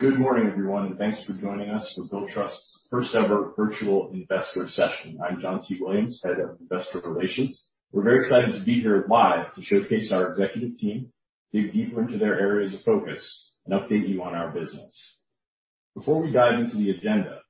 Good morning, everyone, and thanks for joining us for Billtrust's First-Ever Virtual Investor Session. I'm John T. Williams, Head of Investor Relations. We're very excited to be here live to showcase our executive team, dig deeper into their areas of focus, and update you on our business. Before we dive into the agenda,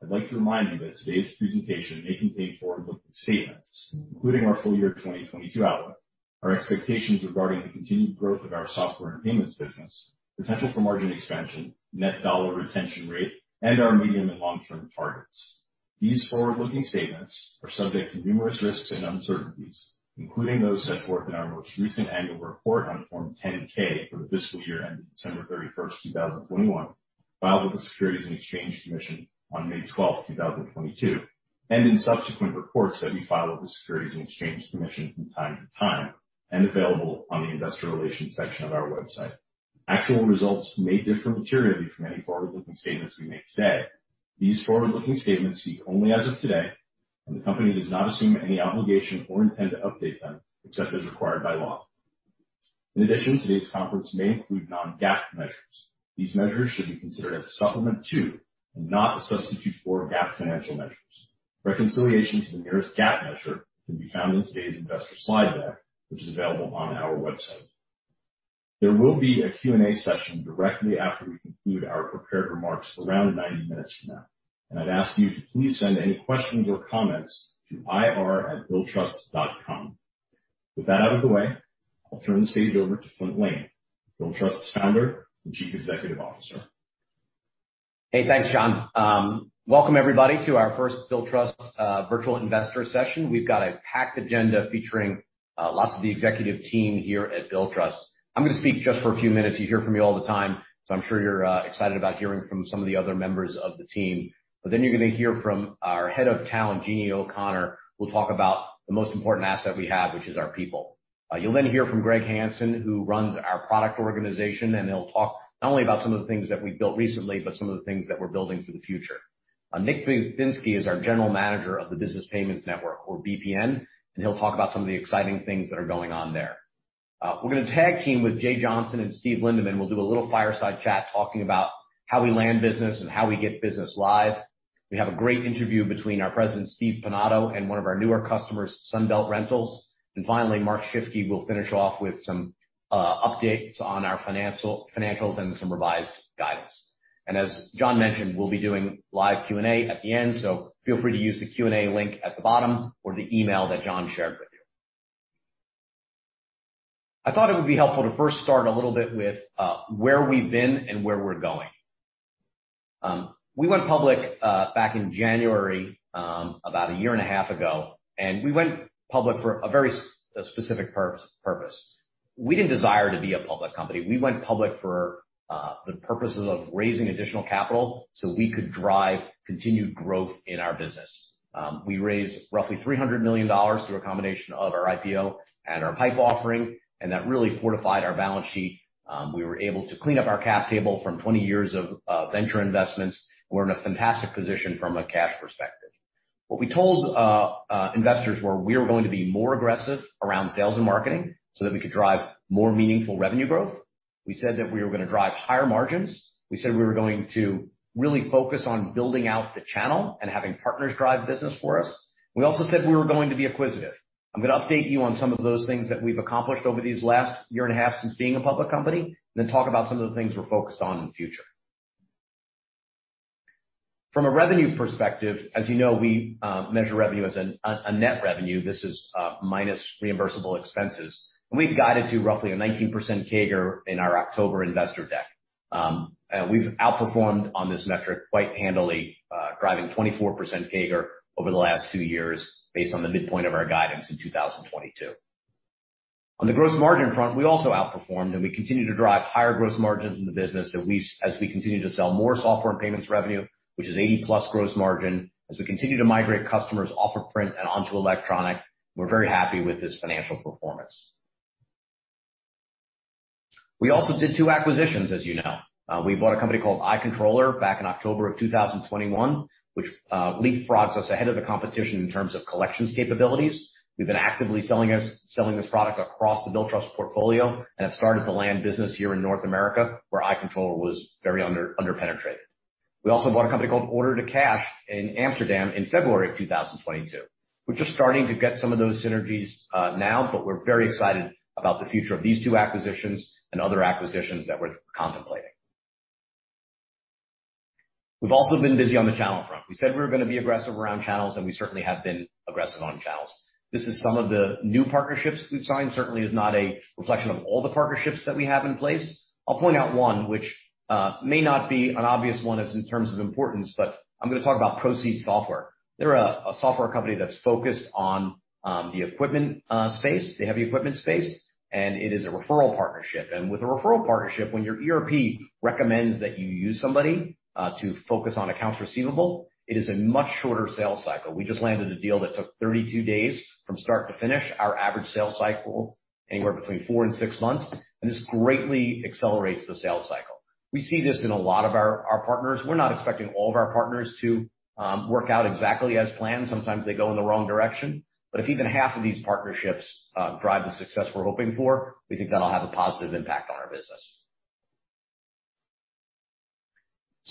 I'd like to remind you that today's presentation may contain forward-looking statements, including our full year 2022 outlook, our expectations regarding the continued growth of our software and payments business, potential for margin expansion, net dollar retention rate, and our medium and long-term targets. These forward-looking statements are subject to numerous risks and uncertainties, including those set forth in our most recent annual report on Form 10-K for the fiscal year ending December 31, 2021, filed with the Securities and Exchange Commission on May 12, 2022, and in subsequent reports that we file with the Securities and Exchange Commission from time to time, and available on the investor relations section of our website. Actual results may differ materially from any forward-looking statements we make today. These forward-looking statements speak only as of today, and the company does not assume any obligation or intend to update them except as required by law. In addition, today's conference may include non-GAAP measures. These measures should be considered as a supplement to, and not a substitute for, GAAP financial measures. Reconciliation to the nearest GAAP measure can be found in today's investor slide deck, which is available on our website. There will be a Q&A session directly after we conclude our prepared remarks around 90 minutes from now, and I'd ask you to please send any questions or comments to ir@Billtrust. With that out of the way, I'll turn the stage over to Flint Lane, Billtrust's Founder and Chief Executive Officer. Hey, thanks, John. Welcome everybody to our first Billtrust virtual investor session. We've got a packed agenda featuring lots of the executive team here at Billtrust. I'm gonna speak just for a few minutes. You hear from me all the time, so I'm sure you're excited about hearing from some of the other members of the team. You're gonna hear from our Head of Talent, Jeanne O'Connor, who'll talk about the most important asset we have, which is our people. You'll then hear from Greg Hansen, who runs our product organization, and he'll talk not only about some of the things that we've built recently, but some of the things that we're building for the future. Nick Babinsky is our General Manager of the Business Payments Network or BPN, and he'll talk about some of the exciting things that are going on there. We're gonna tag team with Jay Johnson and Steve Lindeman, who'll do a little fireside chat talking about how we land business and how we get business live. We have a great interview between our president, Steve Pinado, and one of our newer customers, Sunbelt Rentals. Finally, Mark Shifke will finish off with some updates on our financials and some revised guidance. As John mentioned, we'll be doing live Q&A at the end, so feel free to use the Q&A link at the bottom or the email that John shared with you. I thought it would be helpful to first start a little bit with where we've been and where we're going. We went public back in January, about a year and a half ago, and we went public for a very specific purpose. We didn't desire to be a public company. We went public for the purposes of raising additional capital so we could drive continued growth in our business. We raised roughly $300 million through a combination of our IPO and our PIPE offering, and that really fortified our balance sheet. We were able to clean up our cap table from 20 years of venture investments. We're in a fantastic position from a cash perspective. What we told investors were we're going to be more aggressive around sales and marketing so that we could drive more meaningful revenue growth. We said that we were gonna drive higher margins. We said we were going to really focus on building out the channel and having partners drive business for us. We also said we were going to be acquisitive. I'm gonna update you on some of those things that we've accomplished over these last year and a half since being a public company, and then talk about some of the things we're focused on in the future. From a revenue perspective, as you know, we measure revenue as a net revenue. This is minus reimbursable expenses. We've guided to roughly a 19% CAGR in our October investor deck. We've outperformed on this metric quite handily, driving 24% CAGR over the last two years based on the midpoint of our guidance in 2022. On the gross margin front, we also outperformed, and we continue to drive higher gross margins in the business as we continue to sell more software and payments revenue, which is 80+% gross margin. As we continue to migrate customers off of print and onto electronic, we're very happy with this financial performance. We also did two acquisitions, as you know. We bought a company called iController back in October of 2021, which leapfrogs us ahead of the competition in terms of collections capabilities. We've been actively selling this product across the Billtrust portfolio and have started to land business here in North America, where iController was very under-penetrated. We also bought a company called Order2Cash in Amsterdam in February of 2022. We're just starting to get some of those synergies now, but we're very excited about the future of these two acquisitions and other acquisitions that we're contemplating. We've also been busy on the channel front. We said we were gonna be aggressive around channels, and we certainly have been aggressive on channels. This is some of the new partnerships we've signed, certainly is not a reflection of all the partnerships that we have in place. I'll point out one which may not be an obvious one as in terms of importance, but I'm gonna talk about Procede Software. They're a software company that's focused on the equipment space, the heavy equipment space, and it is a referral partnership. With a referral partnership, when your ERP recommends that you use somebody to focus on accounts receivable, it is a much shorter sales cycle. We just landed a deal that took 32 days from start to finish. Our average sales cycle, anywhere between four and six months, and this greatly accelerates the sales cycle. We see this in a lot of our partners. We're not expecting all of our partners to work out exactly as planned. Sometimes they go in the wrong direction. If even half of these partnerships drive the success we're hoping for, we think that'll have a positive impact on our business.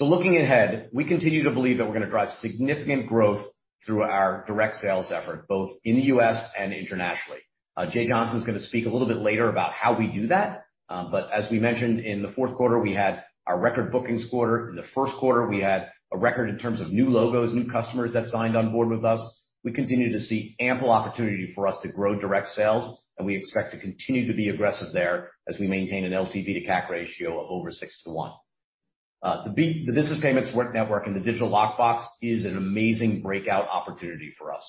Looking ahead, we continue to believe that we're gonna drive significant growth through our direct sales effort, both in the US and internationally. Jay Johnson's gonna speak a little bit later about how we do that. As we mentioned, in the fourth quarter, we had our record bookings quarter. In the first quarter, we had a record in terms of new logos, new customers that signed on board with us. We continue to see ample opportunity for us to grow direct sales, and we expect to continue to be aggressive there as we maintain an LTV to CAC ratio of over six to one. The Business Payments Network and the Digital Lockbox is an amazing breakout opportunity for us.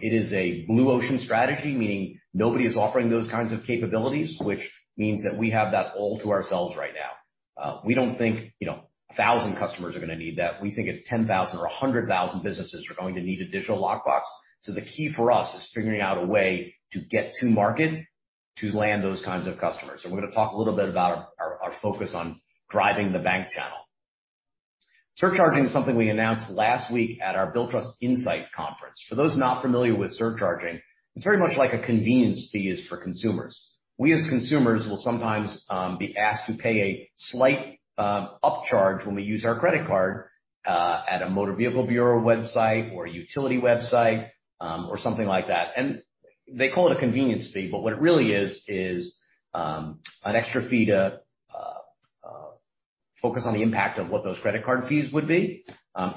It is a blue ocean strategy, meaning nobody is offering those kinds of capabilities, which means that we have that all to ourselves right now. We don't think, you know, 1,000 customers are gonna need that. We think it's 10,000 or 100,000 businesses are going to need a Digital Lockbox. The key for us is figuring out a way to get to market to land those kinds of customers. We're gonna talk a little bit about our focus on driving the bank channel. Surcharging is something we announced last week at our Billtrust Insight Conference. For those not familiar with surcharging, it's very much like a convenience fee is for consumers. We, as consumers, will sometimes be asked to pay a slight upcharge when we use our credit card at a motor vehicle bureau website or a utility website or something like that. They call it a convenience fee, but what it really is is an extra fee to focus on the impact of what those credit card fees would be.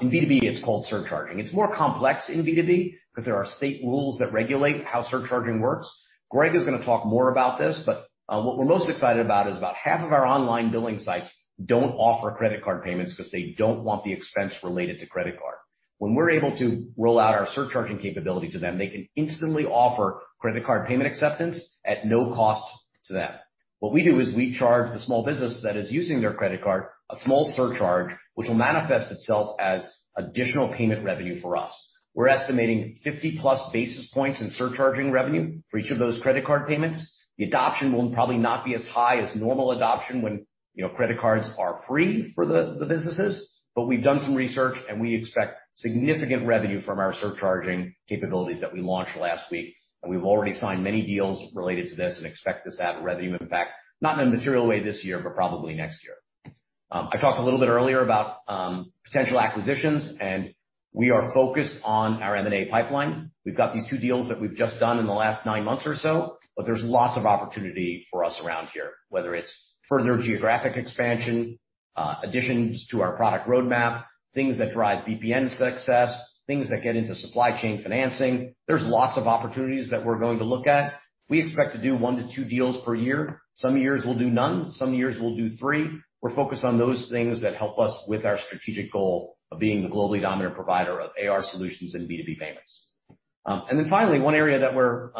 In B2B, it's called surcharging. It's more complex in B2B 'cause there are state rules that regulate how surcharging works. Greg is gonna talk more about this, but what we're most excited about is about half of our online billing sites don't offer credit card payments 'cause they don't want the expense related to credit card. When we're able to roll out our surcharging capability to them, they can instantly offer credit card payment acceptance at no cost to them. What we do is we charge the small business that is using their credit card a small surcharge, which will manifest itself as additional payment revenue for us. We're estimating 50+ basis points in surcharging revenue for each of those credit card payments. The adoption will probably not be as high as normal adoption when, you know, credit cards are free for the businesses. But we've done some research, and we expect significant revenue from our surcharging capabilities that we launched last week. We've already signed many deals related to this and expect this to have a revenue impact, not in a material way this year, but probably next year. I talked a little bit earlier about potential acquisitions, and we are focused on our M&A pipeline. We've got these two deals that we've just done in the last nine months or so, but there's lots of opportunity for us around here, whether it's further geographic expansion, additions to our product roadmap, things that drive BPN success, things that get into supply chain financing. There's lots of opportunities that we're going to look at. We expect to do one to two deals per year. Some years we'll do none, some years we'll do three. We're focused on those things that help us with our strategic goal of being the globally dominant provider of AR solutions and B2B payments. Finally, one area that we're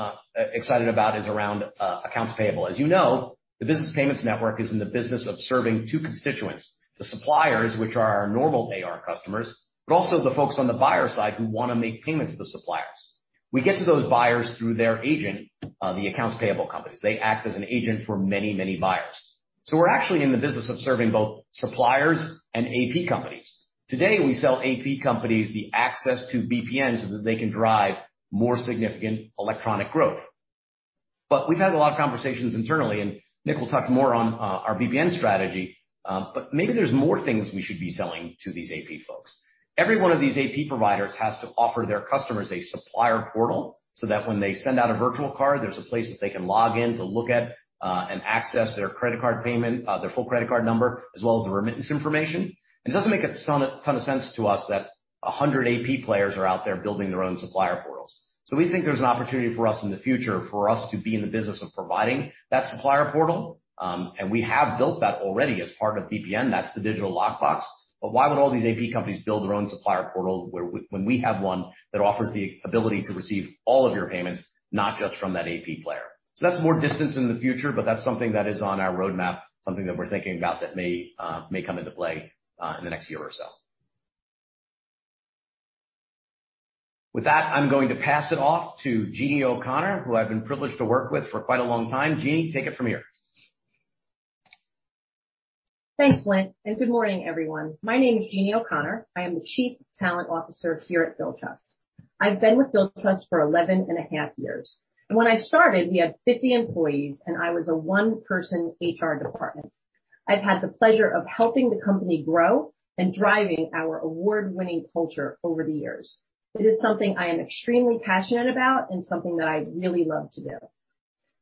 excited about is around accounts payable. As you know, the Business Payments Network is in the business of serving two constituents, the suppliers, which are our normal AR customers, but also the folks on the buyer side who wanna make payments to the suppliers. We get to those buyers through their agent, the accounts payable companies. They act as an agent for many, many buyers. We're actually in the business of serving both suppliers and AP companies. Today, we sell AP companies the access to BPN so that they can drive more significant electronic growth. We've had a lot of conversations internally, and Nick will talk more on our BPN strategy, but maybe there's more things we should be selling to these AP folks. Every one of these AP providers has to offer their customers a supplier portal so that when they send out a virtual card, there's a place that they can log in to look at and access their credit card payment, their full credit card number, as well as the remittance information. It doesn't make a ton of sense to us that 100 AP players are out there building their own supplier portals. We think there's an opportunity for us in the future for us to be in the business of providing that supplier portal. We have built that already as part of BPN. That's the Digital Lockbox. Why would all these AP companies build their own supplier portal when we have one that offers the ability to receive all of your payments, not just from that AP player. That's more distant in the future, but that's something that is on our roadmap, something that we're thinking about that may come into play in the next year or so. With that, I'm going to pass it off to Jeanne O'Connor, who I've been privileged to work with for quite a long time. Jeanne, take it from here. Thanks, Flint, and good morning, everyone. My name is Jeanne O'Connor. I am the Chief Talent Officer here at Billtrust. I've been with Billtrust for 11 and a half years. When I started, we had 50 employees, and I was a one-person HR department. I've had the pleasure of helping the company grow and driving our award-winning culture over the years. It is something I am extremely passionate about and something that I really love to do.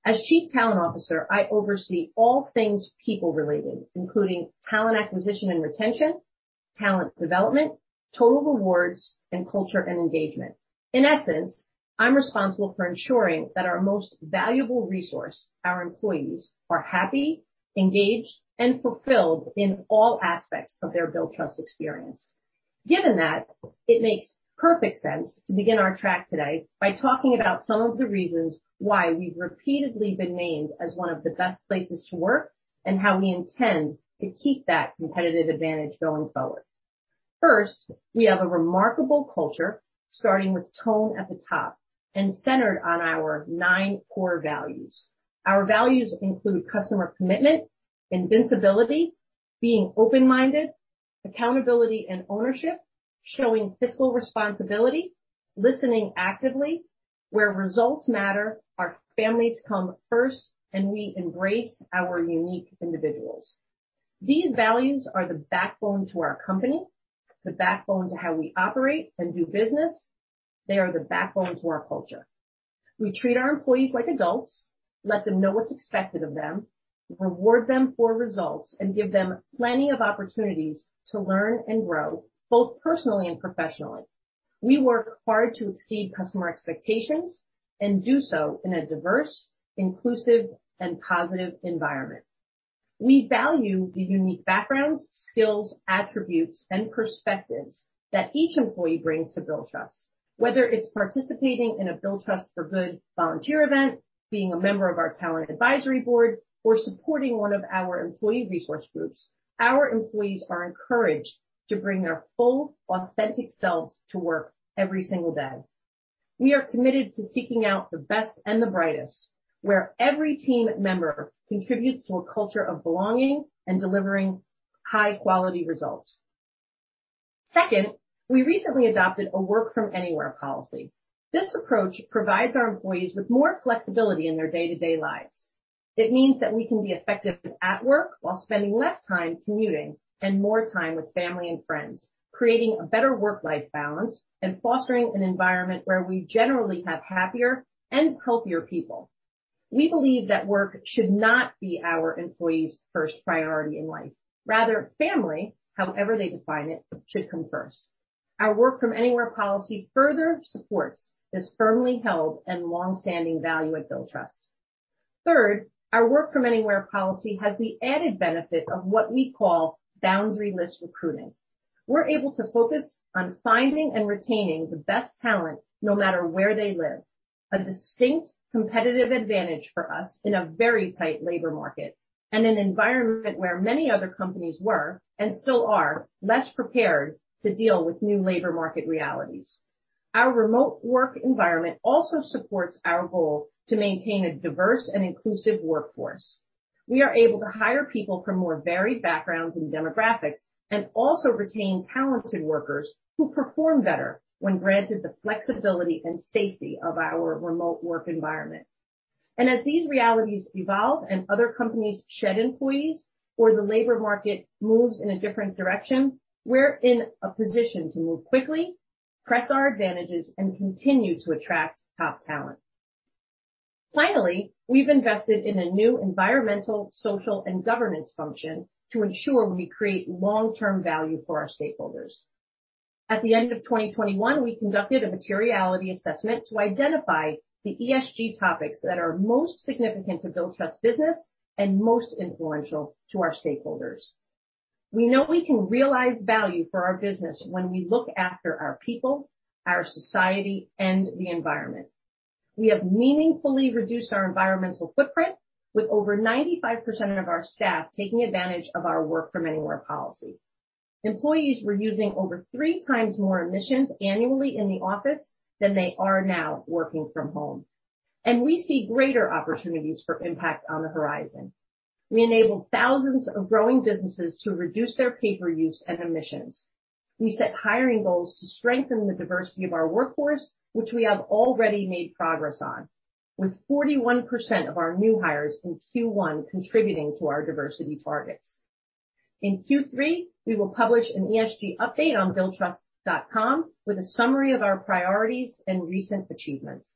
As Chief Talent Officer, I oversee all things people-related, including talent acquisition and retention, talent development, total rewards, and culture and engagement. In essence, I'm responsible for ensuring that our most valuable resource, our employees, are happy, engaged, and fulfilled in all aspects of their Billtrust experience. Given that, it makes perfect sense to begin our track today by talking about some of the reasons why we've repeatedly been named as one of the best places to work and how we intend to keep that competitive advantage going forward. First, we have a remarkable culture, starting with tone at the top and centered on our nine core values. Our values include customer commitment, invincibility, being open-minded, accountability and ownership, showing fiscal responsibility, listening actively where results matter, our families come first, and we embrace our unique individuals. These values are the backbone to our company, the backbone to how we operate and do business. They are the backbone to our culture. We treat our employees like adults, let them know what's expected of them, reward them for results, and give them plenty of opportunities to learn and grow, both personally and professionally. We work hard to exceed customer expectations and do so in a diverse, inclusive, and positive environment. We value the unique backgrounds, skills, attributes, and perspectives that each employee brings to Billtrust. Whether it's participating in a Billtrust for Good volunteer event, being a member of our talent advisory board, or supporting one of our employee resource groups, our employees are encouraged to bring their full, authentic selves to work every single day. We are committed to seeking out the best and the brightest, where every team member contributes to a culture of belonging and delivering high quality results. Second, we recently adopted a work from anywhere policy. This approach provides our employees with more flexibility in their day-to-day lives. It means that we can be effective at work while spending less time commuting and more time with family and friends, creating a better work-life balance and fostering an environment where we generally have happier and healthier people. We believe that work should not be our employees' first priority in life. Rather, family, however they define it, should come first. Our work from anywhere policy further supports this firmly held and long-standing value at Billtrust. Third, our work from anywhere policy has the added benefit of what we call boundary-less recruiting. We're able to focus on finding and retaining the best talent no matter where they live. A distinct competitive advantage for us in a very tight labor market, and an environment where many other companies were, and still are, less prepared to deal with new labor market realities. Our remote work environment also supports our goal to maintain a diverse and inclusive workforce. We are able to hire people from more varied backgrounds and demographics, and also retain talented workers who perform better when granted the flexibility and safety of our remote work environment. As these realities evolve and other companies shed employees or the labor market moves in a different direction, we're in a position to move quickly, press our advantages, and continue to attract top talent. Finally, we've invested in a new environmental, social, and governance function to ensure we create long-term value for our stakeholders. At the end of 2021, we conducted a materiality assessment to identify the ESG topics that are most significant to Billtrust business and most influential to our stakeholders. We know we can realize value for our business when we look after our people, our society, and the environment. We have meaningfully reduced our environmental footprint with over 95% of our staff taking advantage of our work from anywhere policy. Employees were using over three times more emissions annually in the office than they are now working from home. We see greater opportunities for impact on the horizon. We enable thousands of growing businesses to reduce their paper use and emissions. We set hiring goals to strengthen the diversity of our workforce, which we have already made progress on, with 41% of our new hires in Q1 contributing to our diversity targets. In Q3, we will publish an ESG update on Billtrust with a summary of our priorities and recent achievements.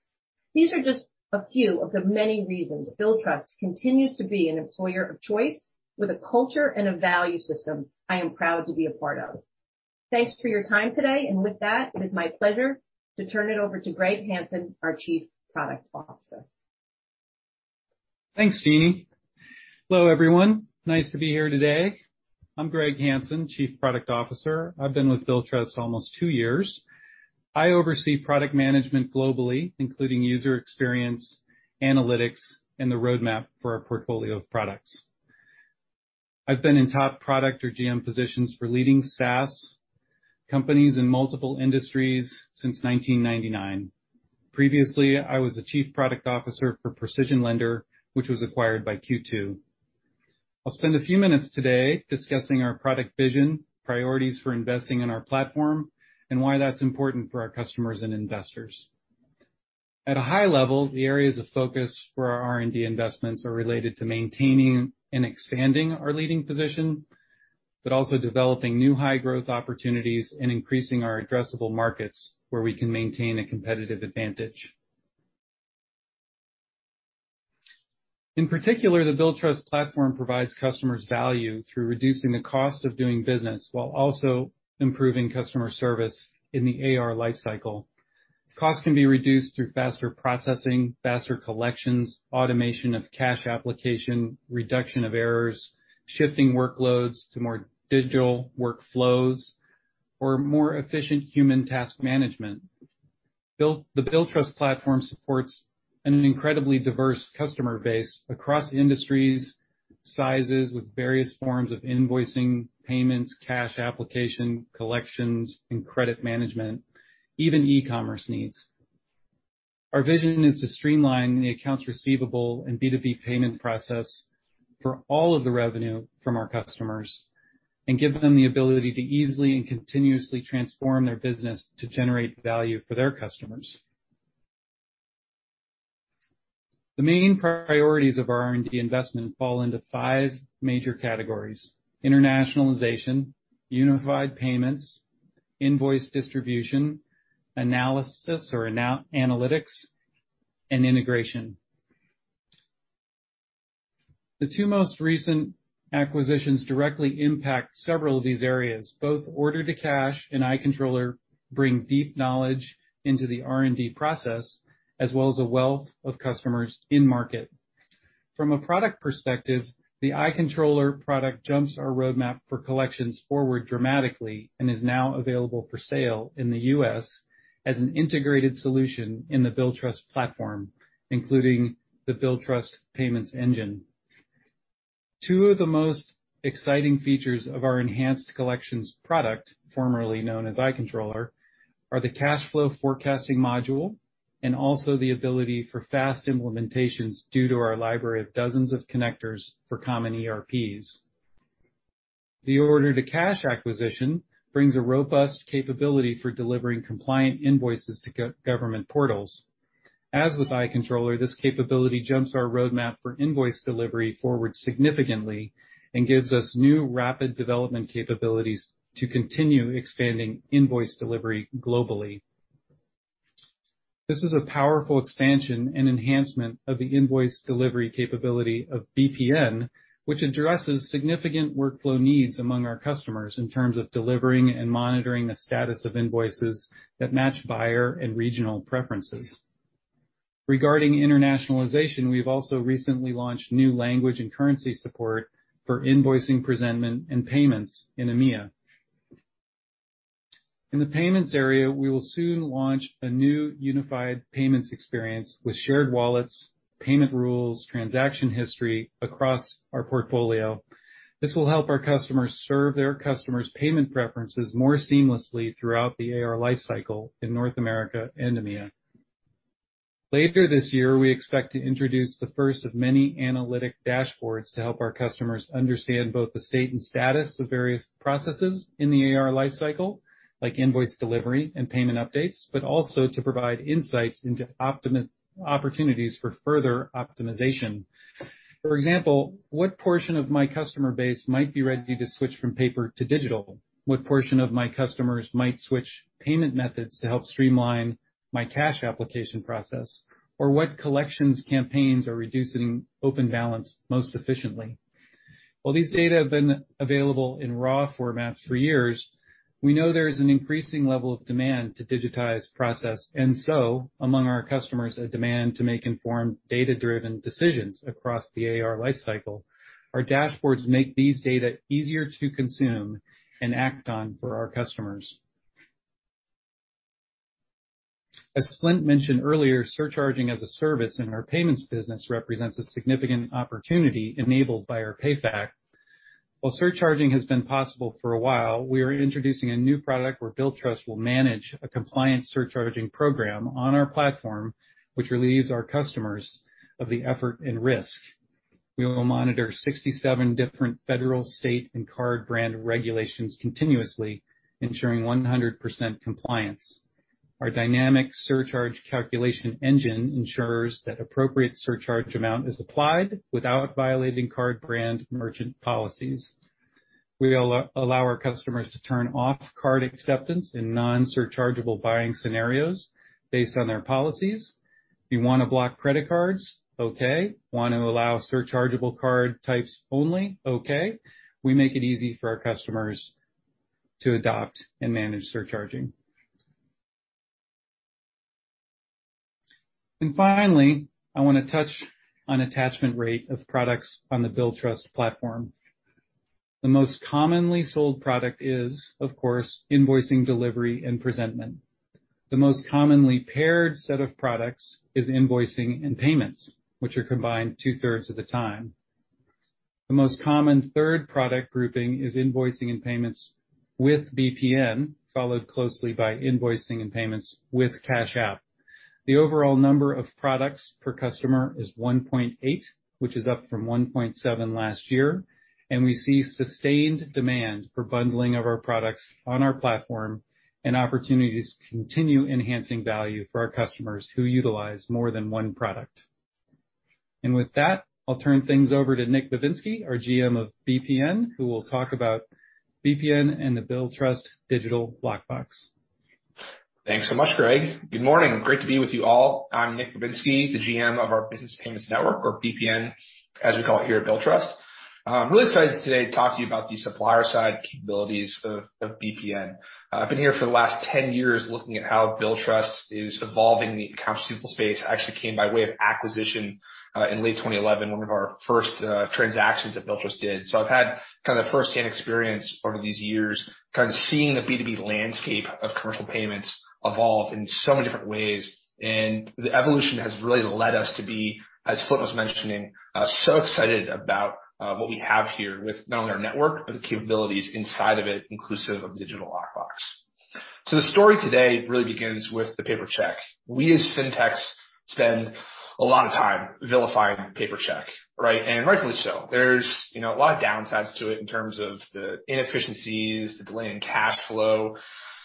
These are just a few of the many reasons Billtrust continues to be an employer of choice with a culture and a value system I am proud to be a part of. Thanks for your time today. With that, it is my pleasure to turn it over to Greg Hansen, our Chief Product Officer. Thanks, Jeanne. Hello, everyone. Nice to be here today. I'm Greg Hansen, Chief Product Officer. I've been with Billtrust almost two years. I oversee product management globally, including user experience, analytics, and the roadmap for our portfolio of products. I've been in top product or GM positions for leading SaaS companies in multiple industries since 1999. Previously, I was the chief product officer for PrecisionLender, which was acquired by Q2. I'll spend a few minutes today discussing our product vision, priorities for investing in our platform, and why that's important for our customers and investors. At a high level, the areas of focus for our R&D investments are related to maintaining and expanding our leading position, but also developing new high-growth opportunities and increasing our addressable markets where we can maintain a competitive advantage. In particular, the Billtrust platform provides customers value through reducing the cost of doing business while also improving customer service in the AR lifecycle. Costs can be reduced through faster processing, faster collections, automation of cash application, reduction of errors, shifting workloads to more digital workflows or more efficient human task management. The Billtrust platform supports an incredibly diverse customer base across industries, sizes with various forms of invoicing, payments, cash application, collections, and credit management, even e-commerce needs. Our vision is to streamline the accounts receivable and B2B payment process for all of the revenue from our customers and give them the ability to easily and continuously transform their business to generate value for their customers. The main priorities of our R&D investment fall into five major categories, internationalization, unified payments, invoice distribution, analysis or analytics, and integration. The two most recent acquisitions directly impact several of these areas. Both Order2Cash and iController bring deep knowledge into the R&D process, as well as a wealth of customers in market. From a product perspective, the iController product jumps our roadmap for collections forward dramatically and is now available for sale in the U.S. as an integrated solution in the Billtrust platform, including the Billtrust payments engine. Two of the most exciting features of our enhanced collections product, formerly known as iController, are the cash flow forecasting module and also the ability for fast implementations due to our library of dozens of connectors for common ERPs. The Order2Cash acquisition brings a robust capability for delivering compliant invoices to government portals. As with iController, this capability jumps our roadmap for invoice delivery forward significantly and gives us new rapid development capabilities to continue expanding invoice delivery globally. This is a powerful expansion and enhancement of the invoice delivery capability of BPN, which addresses significant workflow needs among our customers in terms of delivering and monitoring the status of invoices that match buyer and regional preferences. Regarding internationalization, we've also recently launched new language and currency support for invoicing, presentment, and payments in EMEA. In the payments area, we will soon launch a new unified payments experience with shared wallets, payment rules, transaction history across our portfolio. This will help our customers serve their customers' payment preferences more seamlessly throughout the AR lifecycle in North America and EMEA. Later this year, we expect to introduce the first of many analytic dashboards to help our customers understand both the state and status of various processes in the AR lifecycle, like invoice delivery and payment updates, but also to provide insights into opportunities for further optimization. For example, what portion of my customer base might be ready to switch from paper to digital? What portion of my customers might switch payment methods to help streamline my cash application process? Or what collections campaigns are reducing open balance most efficiently? While these data have been available in raw formats for years, we know there is an increasing level of demand to digitize process and so among our customers, a demand to make informed data-driven decisions across the AR lifecycle. Our dashboards make these data easier to consume and act on for our customers. As Flint mentioned earlier, surcharging as a service in our payments business represents a significant opportunity enabled by our PayFac. While surcharging has been possible for a while, we are introducing a new product where Billtrust will manage a compliant surcharging program on our platform, which relieves our customers of the effort and risk. We will monitor 67 different federal, state, and card brand regulations continuously, ensuring 100% compliance. Our dynamic surcharge calculation engine ensures that appropriate surcharge amount is applied without violating card brand merchant policies. We allow our customers to turn off card acceptance in non-surchargeable buying scenarios based on their policies. You wanna block credit cards? Okay. Want to allow surchargeable card types only? Okay. We make it easy for our customers to adopt and manage surcharging. Finally, I wanna touch on attachment rate of products on the Billtrust platform. The most commonly sold product is, of course, invoicing, delivery, and presentment. The most commonly paired set of products is invoicing and payments, which are combined two-thirds of the time. The most common third product grouping is invoicing and payments with BPN, followed closely by invoicing and payments with Cash Application. The overall number of products per customer is 1.8, which is up from 1.7 last year. We see sustained demand for bundling of our products on our platform and opportunities to continue enhancing value for our customers who utilize more than one product. With that, I'll turn things over to Nick Babinsky, our GM of BPN, who will talk about BPN and the Billtrust Digital Lockbox. Thanks so much, Greg. Good morning. Great to be with you all. I'm Nick Babinsky, the GM of our Business Payments Network, or BPN, as we call it here at Billtrust. Really excited today to talk to you about the supplier side capabilities of BPN. I've been here for the last 10 years looking at how Billtrust is evolving the accounts payable space. I actually came by way of acquisition in late 2011, one of our first transactions that Billtrust did. I've had kinda firsthand experience over these years kinda seeing the B2B landscape of commercial payments evolve in so many different ways. The evolution has really led us to be, as Flint was mentioning, so excited about what we have here with not only our network, but the capabilities inside of it, inclusive of Digital Lockbox. The story today really begins with the paper check. We as fintechs spend a lot of time vilifying paper check, right? Rightfully so. There's, you know, a lot of downsides to it in terms of the inefficiencies, the delay in cash flow,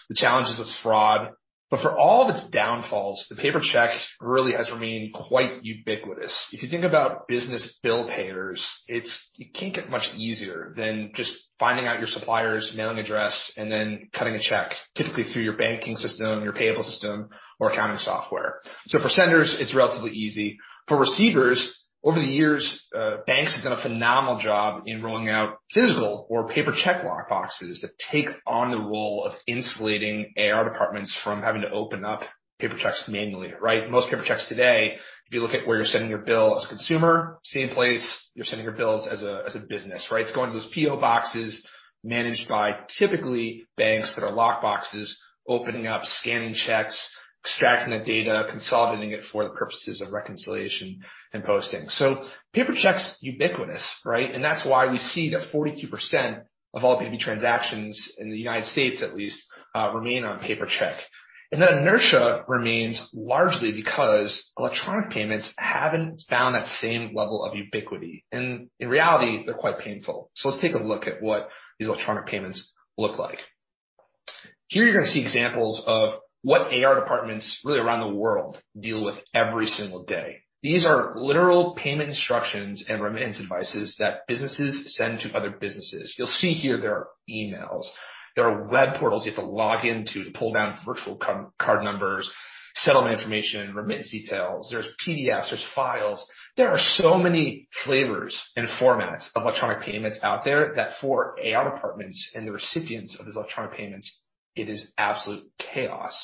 the challenges of fraud. For all of its downfalls, the paper check really has remained quite ubiquitous. If you think about business bill payers, it can't get much easier than just finding out your supplier's mailing address and then cutting a check, typically through your banking system, your payable system, or accounting software. For senders, it's relatively easy. For receivers, over the years, banks have done a phenomenal job in rolling out physical or paper check lock boxes that take on the role of insulating AR departments from having to open up paper checks manually. Right? Most paper checks today, if you look at where you're sending your bill as a consumer, same place you're sending your bills as a business, right? It's going to those PO boxes managed by typically banks that are lock boxes, opening up, scanning checks, extracting the data, consolidating it for the purposes of reconciliation and posting. Paper check's ubiquitous, right? That's why we see that 42% of all B2B transactions in the United States at least remain on paper check. That inertia remains largely because electronic payments haven't found that same level of ubiquity. In reality, they're quite painful. Let's take a look at what these electronic payments look like. Here you're gonna see examples of what AR departments really around the world deal with every single day. These are literal payment instructions and remittance devices that businesses send to other businesses. You'll see here there are emails. There are web portals you have to log in to pull down virtual card numbers, settlement information, remittance details. There's PDFs, there's files. There are so many flavors and formats of electronic payments out there that for AR departments and the recipients of these electronic payments, it is absolute chaos.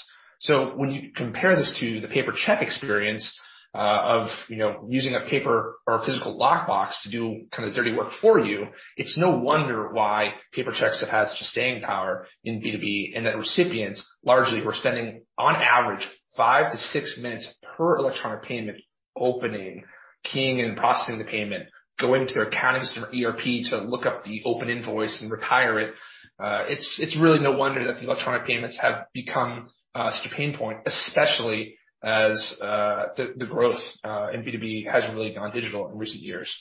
When you compare this to the paper check experience, of, you know, using a paper or a physical lock box to do kinda the dirty work for you, it's no wonder why paper checks have had such staying power in B2B, and that recipients largely who are spending, on average five to six minutes per electronic payment opening, keying, and processing the payment, going to their accounting system or ERP to look up the open invoice and retire it. It's really no wonder that the electronic payments have become such a pain point, especially as the growth in B2B has really gone digital in recent years.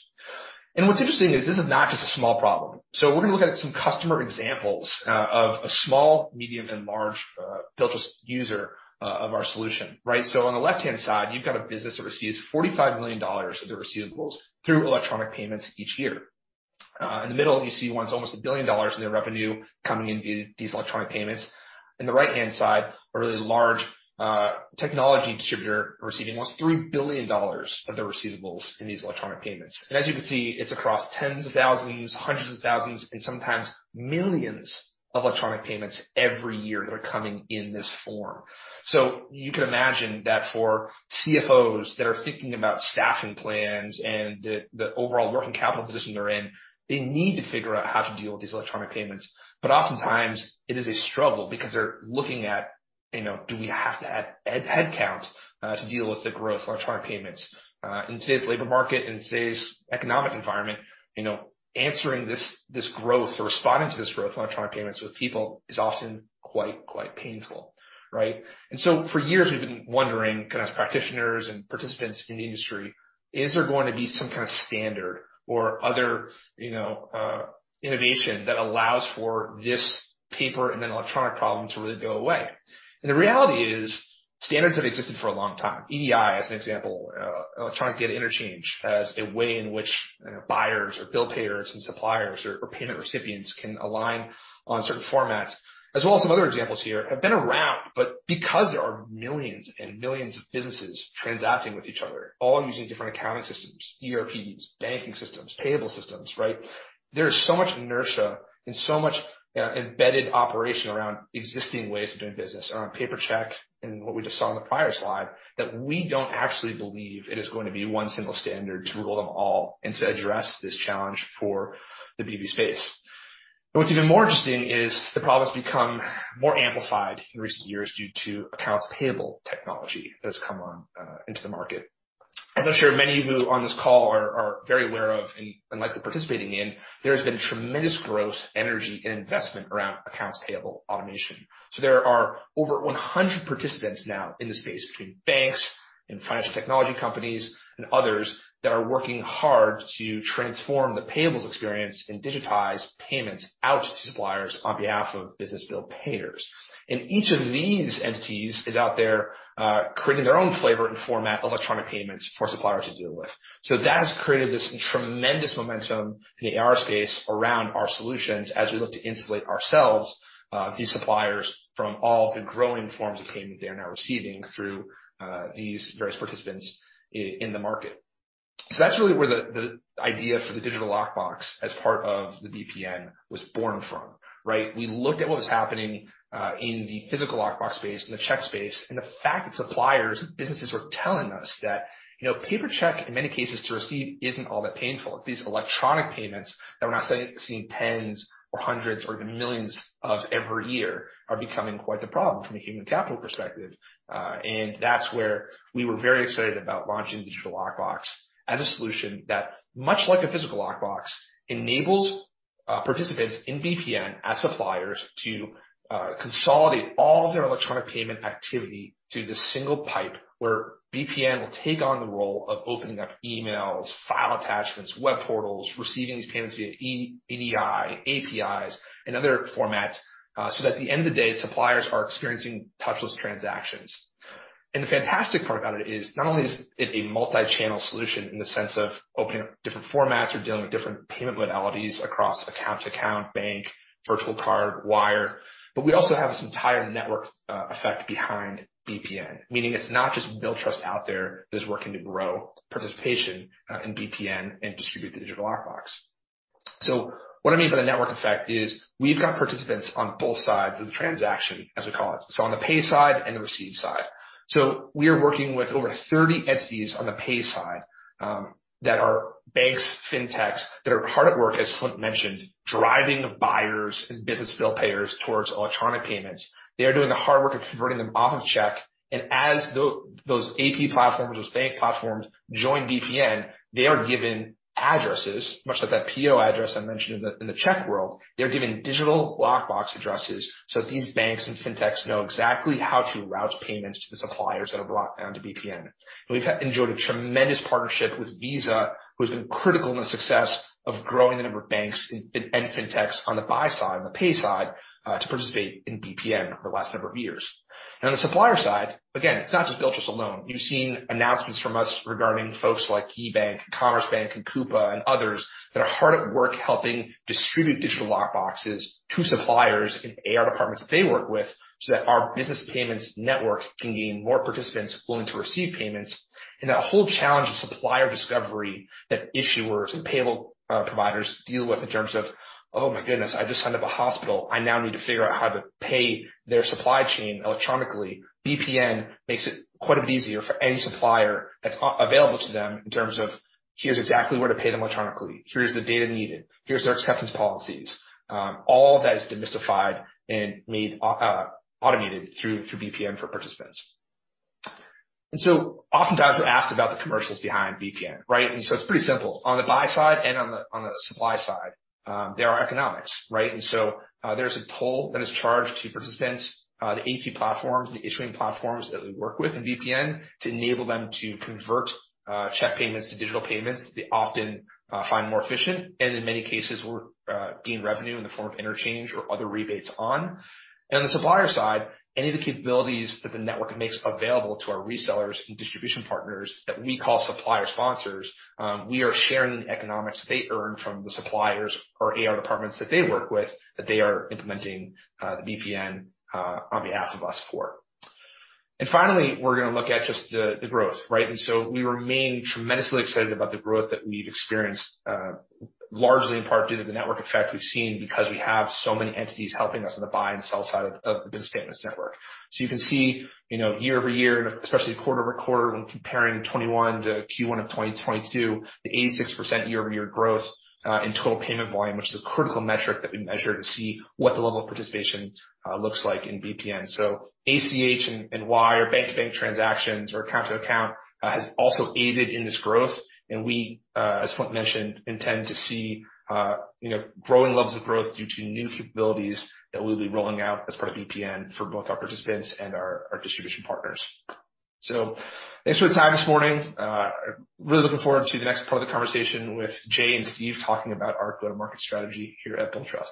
What's interesting is this is not just a small problem. We're gonna look at some customer examples of a small, medium, and large Billtrust user of our solution. Right? On the left-hand side, you've got a business that receives $45 million of their receivables through electronic payments each year. In the middle, you see one that's almost $1 billion in their revenue coming in via these electronic payments. In the right-hand side, a really large, technology distributor receiving almost $3 billion of their receivables in these electronic payments. As you can see, it's across tens of thousands, hundreds of thousands, and sometimes millions of electronic payments every year that are coming in this form. You can imagine that for CFOs that are thinking about staffing plans and the overall working capital position they're in, they need to figure out how to deal with these electronic payments. Oftentimes it is a struggle because they're looking at, you know, do we have to add headcount to deal with the growth of electronic payments? In today's labor market, in today's economic environment, you know, answering this growth or responding to this growth in electronic payments with people is often quite painful, right? For years we've been wondering, kinda as practitioners and participants in the industry, is there going to be some kinda standard or other, you know, innovation that allows for this paper and then electronic problem to really go away? The reality is standards have existed for a long time. EDI, as an example, electronic data interchange, as a way in which buyers or bill payers and suppliers or payment recipients can align on certain formats, as well as some other examples here, have been around. Because there are millions and millions of businesses transacting with each other, all using different accounting systems, ERPs, banking systems, payable systems, right? There's so much inertia and so much embedded operation around existing ways of doing business around paper check and what we just saw in the prior slide, that we don't actually believe it is going to be one single standard to rule them all and to address this challenge for the B2B space. What's even more interesting is the problem's become more amplified in recent years due to accounts payable technology that has come on into the market. As I'm sure many of you on this call are very aware of and likely participating in, there has been tremendous growth, energy, and investment around accounts payable automation. There are over 100 participants now in the space between banks and financial technology companies and others that are working hard to transform the payables experience and digitize payments out to suppliers on behalf of business bill payers. Each of these entities is out there, creating their own flavor and format of electronic payments for suppliers to deal with. That has created this tremendous momentum in the AR space around our solutions as we look to insulate these suppliers from all the growing forms of payment they are now receiving through these various participants in the market. That's really where the idea for the Digital Lockbox as part of the BPN was born from, right? We looked at what was happening in the physical lockbox space and the check space, and the fact that suppliers and businesses were telling us that, you know, paper check, in many cases to receive isn't all that painful. It's these electronic payments that we're now seeing 10s or 100s or even millions of every year are becoming quite the problem from a human capital perspective. That's where we were very excited about launching Digital Lockbox as a solution that, much like a physical lockbox, enables participants in BPN as suppliers to consolidate all of their electronic payment activity to the single pipe where BPN will take on the role of opening up emails, file attachments, web portals, receiving these payments via EDI, APIs, and other formats, so that at the end of the day, suppliers are experiencing touchless transactions. The fantastic part about it is not only is it a multi-channel solution in the sense of opening up different formats or dealing with different payment modalities across account to account, bank, virtual card, wire, but we also have this entire network effect behind BPN. Meaning it's not just Billtrust out there that's working to grow participation in BPN and distribute the Digital Lockbox. What I mean by the network effect is we've got participants on both sides of the transaction, as we call it, so on the pay side and the receive side. We are working with over 30 entities on the pay side, that are banks, fintechs, that are hard at work, as Flint mentioned, driving buyers and business bill payers towards electronic payments. They are doing the hard work of converting them off of check, and as those AP platforms, those bank platforms join BPN, they are given addresses, much like that PO address I mentioned in the check world, they're given Digital Lockbox addresses, so that these banks and fintechs know exactly how to route payments to the suppliers that are brought onto BPN. We've enjoyed a tremendous partnership with Visa, who's been critical in the success of growing the number of banks and fintechs on the buy side, on the pay side, to participate in BPN for the last number of years. Now, on the supplier side, again, it's not just Billtrust alone. You've seen announcements from us regarding folks like KeyBank, Commerce Bank, and Coupa and others that are hard at work helping distribute digital lockboxes to suppliers in AR departments they work with so that our business payments network can gain more participants willing to receive payments. That whole challenge of supplier discovery that issuers and payable providers deal with in terms of, "Oh my goodness, I just signed up a hospital. I now need to figure out how to pay their supply chain electronically." BPN makes it quite a bit easier for any supplier that's available to them in terms of here's exactly where to pay them electronically, here's the data needed, here's their acceptance policies. All of that is demystified and made automated through BPN for participants. Oftentimes we're asked about the commercials behind BPN, right? It's pretty simple. On the buy side and on the supply side, there are economics, right? There's a toll that is charged to participants, the AP platforms, the issuing platforms that we work with in BPN to enable them to convert check payments to digital payments they often find more efficient and in many cases we're gain revenue in the form of interchange or other rebates on. On the supplier side, any of the capabilities that the network makes available to our resellers and distribution partners that we call supplier sponsors, we are sharing the economics they earn from the suppliers or AR departments that they work with, that they are implementing the BPN on behalf of us for. Finally, we're gonna look at just the growth, right? We remain tremendously excited about the growth that we've experienced, largely in part due to the network effect we've seen because we have so many entities helping us on the buy and sell side of the Business Payments Network. You can see, you know, year-over-year and especially quarter-over-quarter when comparing 2021 to Q1 of 2022, the 86% year-over-year growth in Total Payment Volume, which is a critical metric that we measure to see what the level of participation looks like in BPN. ACH and wire, bank to bank transactions or account to account, has also aided in this growth. We, as Flint mentioned, intend to see, you know, growing levels of growth due to new capabilities that we'll be rolling out as part of BPN for both our participants and our distribution partners. Thanks for the time this morning. Really looking forward to the next part of the conversation with Jay and Steve talking about our go-to-market strategy here at Billtrust.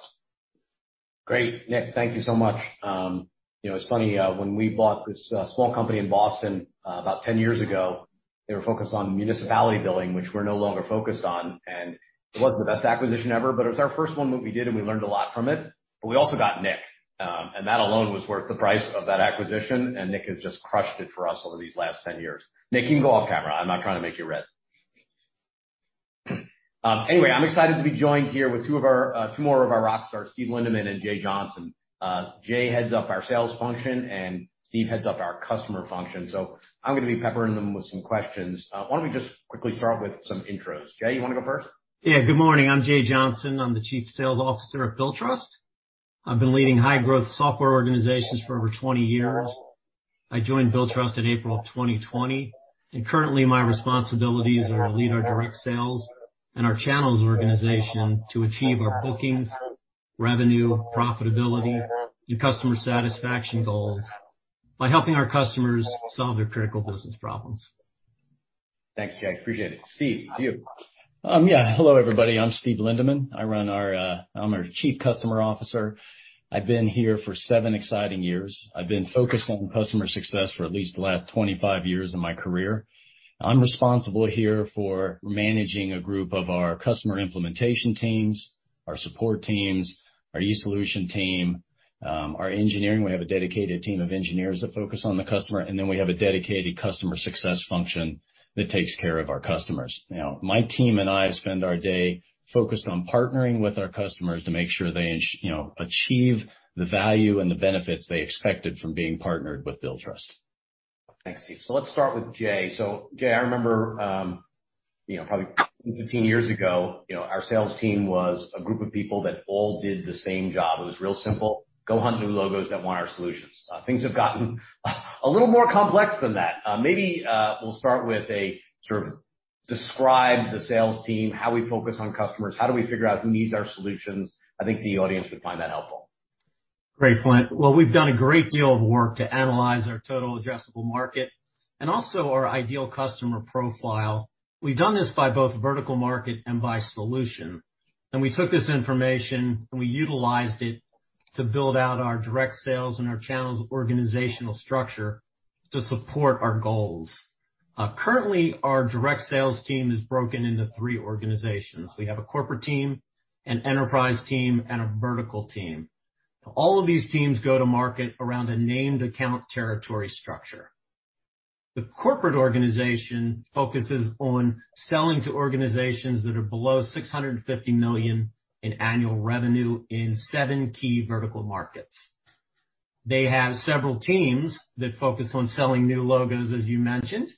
Great. Nick, thank you so much. You know, it's funny, when we bought this small company in Boston about 10 years ago, they were focused on municipality billing, which we're no longer focused on. It wasn't the best acquisition ever, but it was our first one that we did, and we learned a lot from it. We also got Nick, and that alone was worth the price of that acquisition, and Nick has just crushed it for us over these last 10 years. Nick, you can go off camera. I'm not trying to make you red. Anyway, I'm excited to be joined here with two more of our rock stars, Steve Lindeman and Jay Johnson. Jay heads up our sales function, and Steve heads up our customer function. I'm gonna be peppering them with some questions. Why don't we just quickly start with some intros. Jay, you wanna go first? Yeah. Good morning. I'm Jay Johnson. I'm the Chief Sales Officer at Billtrust. I've been leading high growth software organizations for over 20 years. I joined Billtrust in April of 2020, and currently my responsibilities are to lead our direct sales and our channels organization to achieve our bookings, revenue, profitability, and customer satisfaction goals by helping our customers solve their critical business problems. Thanks, Jay. Appreciate it. Steve, to you. Yeah. Hello, everybody. I'm Steve Lindeman. I'm our Chief Customer Officer. I've been here for seven exciting years. I've been focused on customer success for at least the last 25 years of my career. I'm responsible here for managing a group of our customer implementation teams, our support teams, our e-solution team, our engineering. We have a dedicated team of engineers that focus on the customer, and then we have a dedicated customer success function that takes care of our customers. Now, my team and I spend our day focused on partnering with our customers to make sure they, you know, achieve the value and the benefits they expected from being partnered with Billtrust. Thanks, Steve. Let's start with Jay. Jay, I remember, you know, probably 15 years ago, you know, our sales team was a group of people that all did the same job. It was real simple. Go hunt new logos that want our solutions. Things have gotten a little more complex than that. Maybe we'll start with a sort of describe the sales team, how we focus on customers, how do we figure out who needs our solutions. I think the audience would find that helpful. Great, Flint. Well, we've done a great deal of work to analyze our total addressable market and also our ideal customer profile. We've done this by both vertical market and by solution. We took this information, and we utilized it to build out our direct sales and our channels organizational structure to support our goals. Currently, our direct sales team is broken into three organizations. We have a corporate team, an enterprise team, and a vertical team. All of these teams go to market around a named account territory structure. The corporate organization focuses on selling to organizations that are below $650 million in annual revenue in seven key vertical markets. They have several teams that focus on selling new logos, as you mentioned,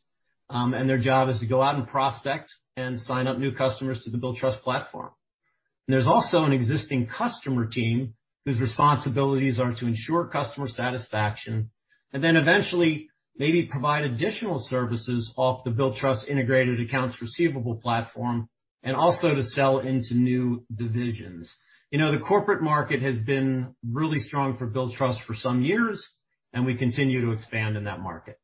and their job is to go out and prospect and sign up new customers to the Billtrust platform. There's also an existing customer team whose responsibilities are to ensure customer satisfaction and then eventually maybe provide additional services off the Billtrust integrated accounts receivable platform and also to sell into new divisions. You know, the corporate market has been really strong for Billtrust for some years, and we continue to expand in that market.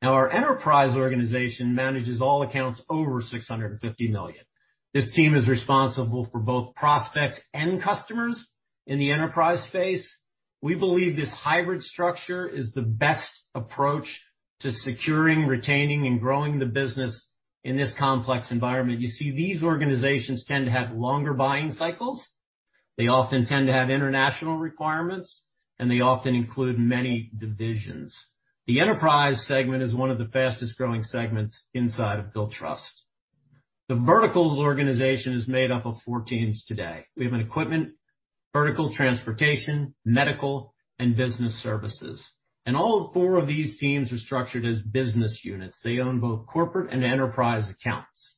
Now, our enterprise organization manages all accounts over $650 million. This team is responsible for both prospects and customers in the enterprise space. We believe this hybrid structure is the best approach to securing, retaining, and growing the business in this complex environment. You see, these organizations tend to have longer buying cycles. They often tend to have international requirements, and they often include many divisions. The enterprise segment is one of the fastest-growing segments inside of Billtrust. The verticals organization is made up of four teams today. We have an equipment, vertical transportation, medical, and business services. All four of these teams are structured as business units. They own both corporate and enterprise accounts.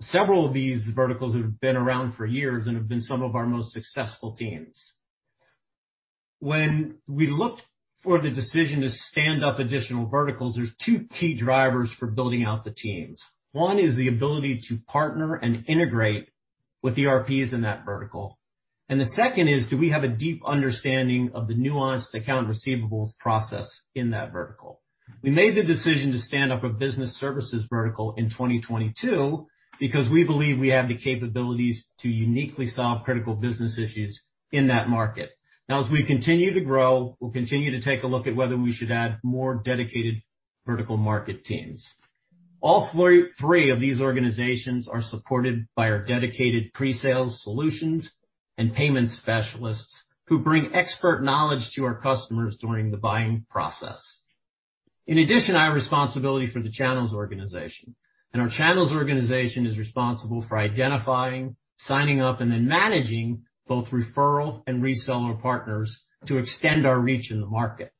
Several of these verticals have been around for years and have been some of our most successful teams. When we looked for the decision to stand up additional verticals, there's two key drivers for building out the teams. One is the ability to partner and integrate with the ERPs in that vertical. The second is, do we have a deep understanding of the nuanced accounts receivable process in that vertical? We made the decision to stand up a business services vertical in 2022 because we believe we have the capabilities to uniquely solve critical business issues in that market. Now, as we continue to grow, we'll continue to take a look at whether we should add more dedicated vertical market teams. All three of these organizations are supported by our dedicated pre-sales solutions and payment specialists who bring expert knowledge to our customers during the buying process. In addition, I have responsibility for the channels organization, and our channels organization is responsible for identifying, signing up, and then managing both referral and reseller partners to extend our reach in the market.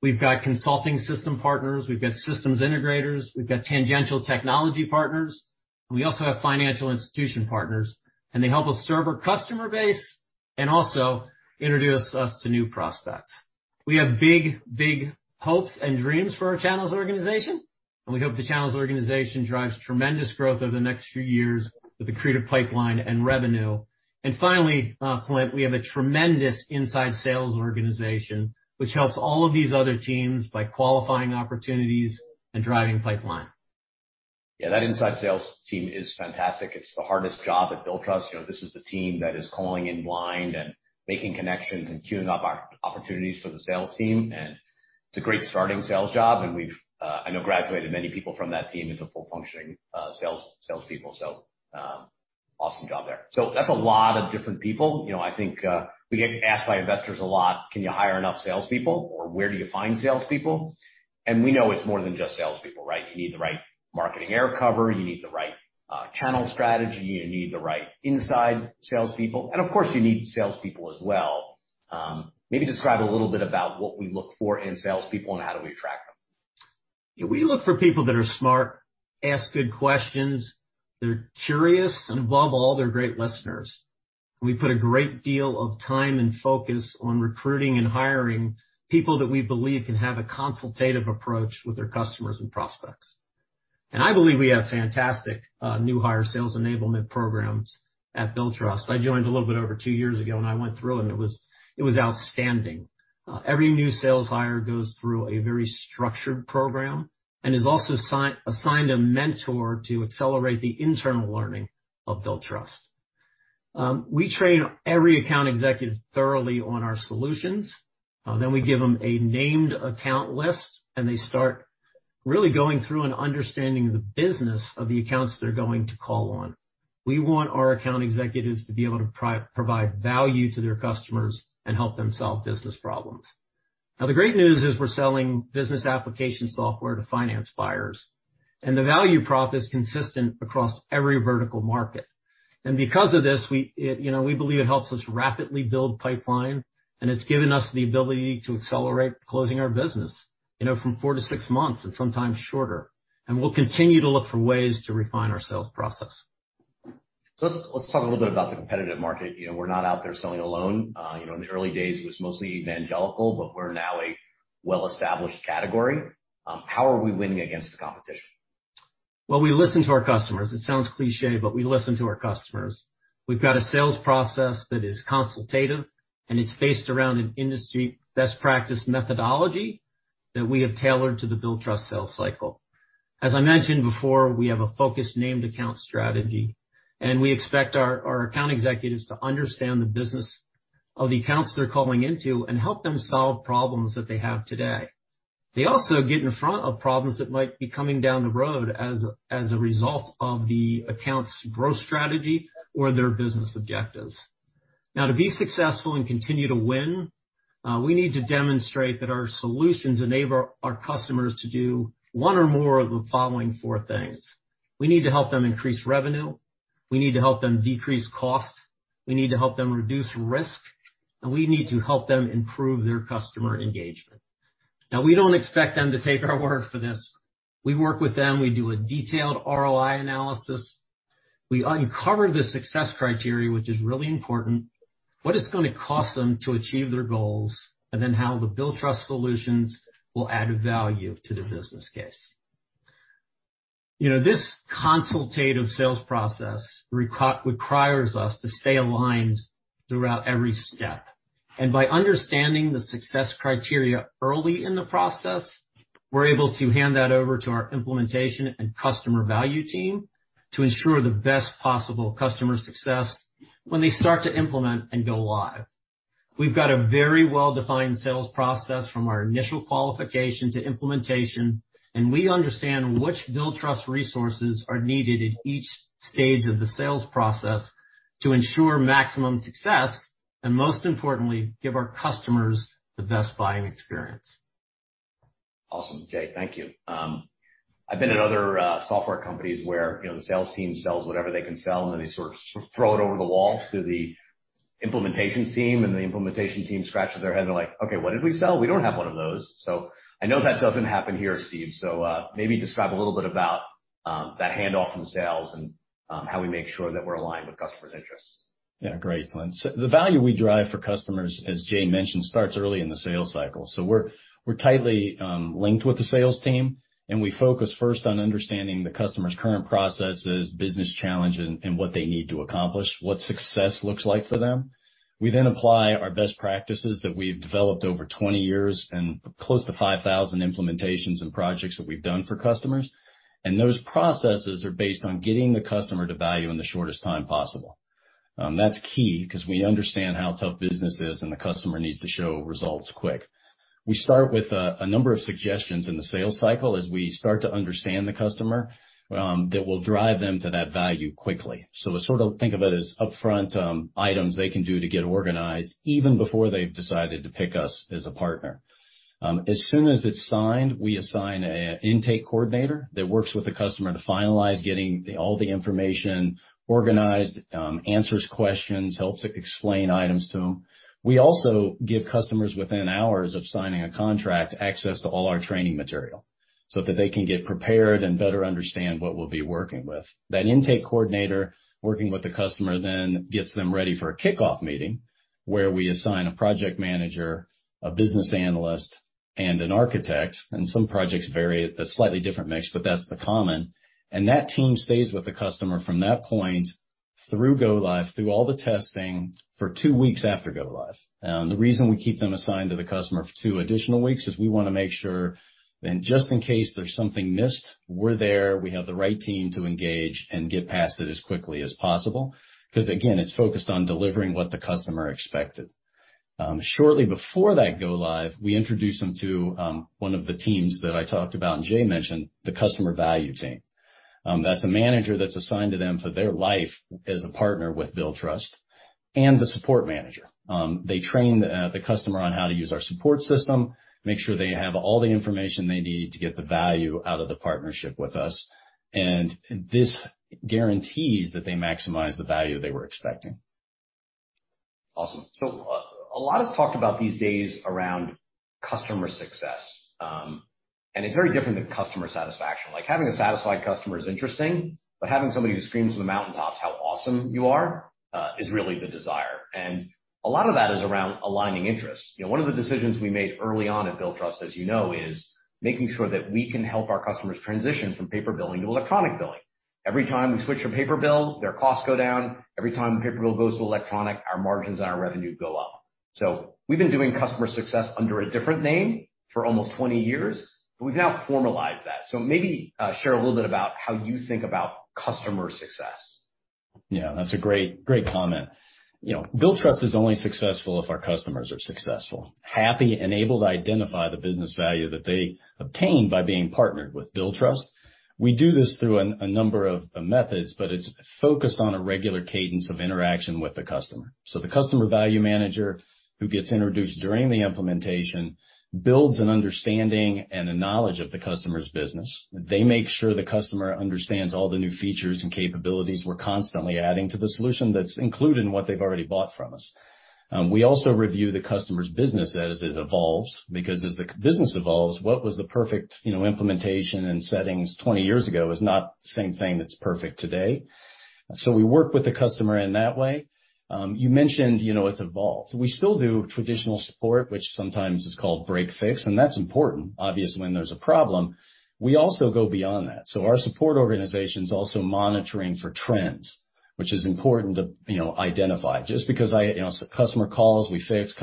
We've got consulting system partners, we've got systems integrators, we've got tangential technology partners, and we also have financial institution partners, and they help us serve our customer base and also introduce us to new prospects. We have big hopes and dreams for our channels organization, and we hope the channels organization drives tremendous growth over the next few years with accretive pipeline and revenue. Finally, Flint, we have a tremendous inside sales organization, which helps all of these other teams by qualifying opportunities and driving pipeline. Yeah, that inside sales team is fantastic. It's the hardest job at Billtrust. You know, this is the team that is calling in blind and making connections and queuing up our opportunities for the sales team, and it's a great starting sales job, and we've, I know, graduated many people from that team into full functioning, sales people. So, awesome job there. So that's a lot of different people. You know, I think, we get asked by investors a lot, "Can you hire enough salespeople?" Or, "Where do you find salespeople?" We know it's more than just salespeople, right? You need the right marketing air cover, you need the right, channel strategy, you need the right inside salespeople, and of course, you need salespeople as well. Maybe describe a little bit about what we look for in salespeople and how do we attract them? Yeah, we look for people that are smart, ask good questions, they're curious, and above all, they're great listeners. We put a great deal of time and focus on recruiting and hiring people that we believe can have a consultative approach with their customers and prospects. I believe we have fantastic new hire sales enablement programs at Billtrust. I joined a little bit over two years ago and I went through it, and it was outstanding. Every new sales hire goes through a very structured program and is also assigned a mentor to accelerate the internal learning of Billtrust. We train every account executive thoroughly on our solutions. We give them a named account list, and they start really going through and understanding the business of the accounts they're going to call on. We want our account executives to be able to provide value to their customers and help them solve business problems. Now, the great news is we're selling business application software to finance buyers, and the value prop is consistent across every vertical market. Because of this, we, it, you know, we believe it helps us rapidly build pipeline, and it's given us the ability to accelerate closing our business, you know, from four to six months and sometimes shorter. We'll continue to look for ways to refine our sales process. Let's talk a little bit about the competitive market. You know, we're not out there selling a loan. You know, in the early days, it was mostly evangelical, but we're now a well-established category. How are we winning against the competition? Well, we listen to our customers. It sounds cliché, but we listen to our customers. We've got a sales process that is consultative, and it's based around an industry best practice methodology that we have tailored to the Billtrust sales cycle. As I mentioned before, we have a focused named account strategy, and we expect our account executives to understand the business of the accounts they're calling into and help them solve problems that they have today. They also get in front of problems that might be coming down the road as a result of the account's growth strategy or their business objectives. Now, to be successful and continue to win, we need to demonstrate that our solutions enable our customers to do one or more of the following four things. We need to help them increase revenue. We need to help them decrease costs. We need to help them reduce risk. We need to help them improve their customer engagement. Now, we don't expect them to take our word for this. We work with them, we do a detailed ROI analysis. We uncover the success criteria, which is really important, what it's gonna cost them to achieve their goals, and then how the Billtrust solutions will add value to the business case. You know, this consultative sales process requires us to stay aligned throughout every step. By understanding the success criteria early in the process, we're able to hand that over to our implementation and customer value team to ensure the best possible customer success when they start to implement and go live. We've got a very well-defined sales process from our initial qualification to implementation, and we understand which Billtrust resources are needed at each stage of the sales process to ensure maximum success, and most importantly, give our customers the best buying experience. Awesome, Jay. Thank you. I've been at other software companies where, you know, the sales team sells whatever they can sell, and then they sort of throw it over the wall to the implementation team, and the implementation team scratches their head. They're like, "Okay, what did we sell? We don't have one of those." I know that doesn't happen here, Steve. Maybe describe a little bit about that handoff from sales and how we make sure that we're aligned with customers' interests. Yeah. Great, Glenn. The value we drive for customers, as Jay mentioned, starts early in the sales cycle. We're tightly linked with the sales team, and we focus first on understanding the customer's current processes, business challenge and what they need to accomplish, what success looks like for them. We then apply our best practices that we've developed over 20 years and close to 5,000 implementations and projects that we've done for customers, and those processes are based on getting the customer to value in the shortest time possible. That's key 'cause we understand how tough business is, and the customer needs to show results quick. We start with a number of suggestions in the sales cycle as we start to understand the customer that will drive them to that value quickly. Sort of think of it as upfront items they can do to get organized even before they've decided to pick us as a partner. As soon as it's signed, we assign a intake coordinator that works with the customer to finalize getting all the information organized, answers questions, helps explain items to them. We also give customers within hours of signing a contract access to all our training material so that they can get prepared and better understand what we'll be working with. That intake coordinator working with the customer then gets them ready for a kickoff meeting where we assign a project manager, a business analyst, and an architect, and some projects vary a slightly different mix, but that's the common. That team stays with the customer from that point through go live, through all the testing for two weeks after go live. The reason we keep them assigned to the customer for two additional weeks is we wanna make sure then just in case there's something missed, we're there, we have the right team to engage and get past it as quickly as possible. Because again, it's focused on delivering what the customer expected. Shortly before that go live, we introduce them to one of the teams that I talked about and Jay mentioned, the customer value team. That's a manager that's assigned to them for their life as a partner with Billtrust and the support manager. They train the customer on how to use our support system, make sure they have all the information they need to get the value out of the partnership with us, and this guarantees that they maximize the value they were expecting. Awesome. A lot is talked about these days around customer success. It's very different than customer satisfaction. Like, having a satisfied customer is interesting, but having somebody who screams from the mountaintops how awesome you are is really the desire. A lot of that is around aligning interests. You know, one of the decisions we made early on at Billtrust, as you know, is making sure that we can help our customers transition from paper billing to electronic billing. Every time we switch from paper bill, their costs go down. Every time a paper bill goes to electronic, our margins and our revenue go up. We've been doing customer success under a different name for almost 20 years, but we've now formalized that. Maybe share a little bit about how you think about customer success. Yeah. That's a great comment. You know, Billtrust is only successful if our customers are successful, happy, and able to identify the business value that they obtain by being partnered with Billtrust. We do this through a number of methods, but it's focused on a regular cadence of interaction with the customer. The customer value manager, who gets introduced during the implementation, builds an understanding and the knowledge of the customer's business. They make sure the customer understands all the new features and capabilities we're constantly adding to the solution that's included in what they've already bought from us. We also review the customer's business as it evolves, because as the e-business evolves, what was the perfect, you know, implementation and settings 20 years ago is not the same thing that's perfect today. We work with the customer in that way. You mentioned, you know, it's evolved. We still do traditional support, which sometimes is called break fix, and that's important, obviously when there's a problem. We also go beyond that. Our support organization is also monitoring for trends, which is important to, you know, identify. Just because, you know, customer calls, we fix.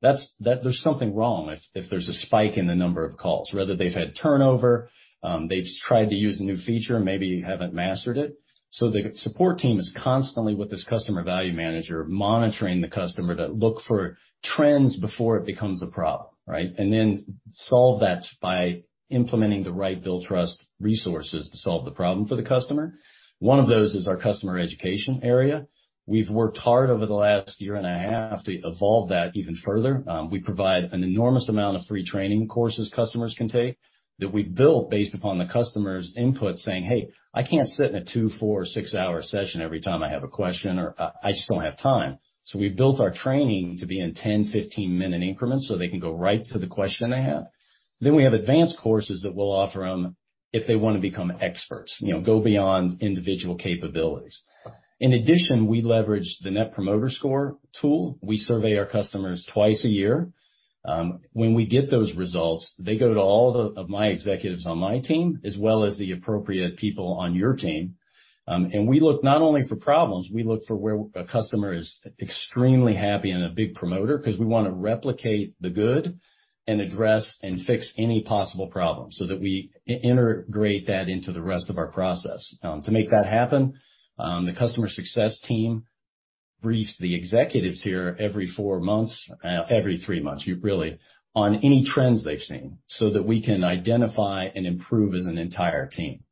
That there's something wrong if there's a spike in the number of calls, whether they've had turnover, they've tried to use a new feature and maybe haven't mastered it. The support team is constantly with this customer value manager monitoring the customer to look for trends before it becomes a problem, right? Then solve that by implementing the right Billtrust resources to solve the problem for the customer. One of those is our customer education area. We've worked hard over the last year and a half to evolve that even further. We provide an enormous amount of free training courses customers can take that we've built based upon the customer's input, saying, "Hey, I can't sit in a 2, 4, or 6-hour session every time I have a question, or I just don't have time." We built our training to be in 10, 15-minute increments, so they can go right to the question they have. We have advanced courses that we'll offer them if they wanna become experts, you know, go beyond individual capabilities. In addition, we leverage the Net Promoter Score tool. We survey our customers twice a year. When we get those results, they go to all of my executives on my team, as well as the appropriate people on your team. We look not only for problems, we look for where a customer is extremely happy and a big promoter because we wanna replicate the good and address and fix any possible problems so that we integrate that into the rest of our process. To make that happen, the customer success team briefs the executives here every four months, every three months, really, on any trends they've seen, so that we can identify and improve as an entire team.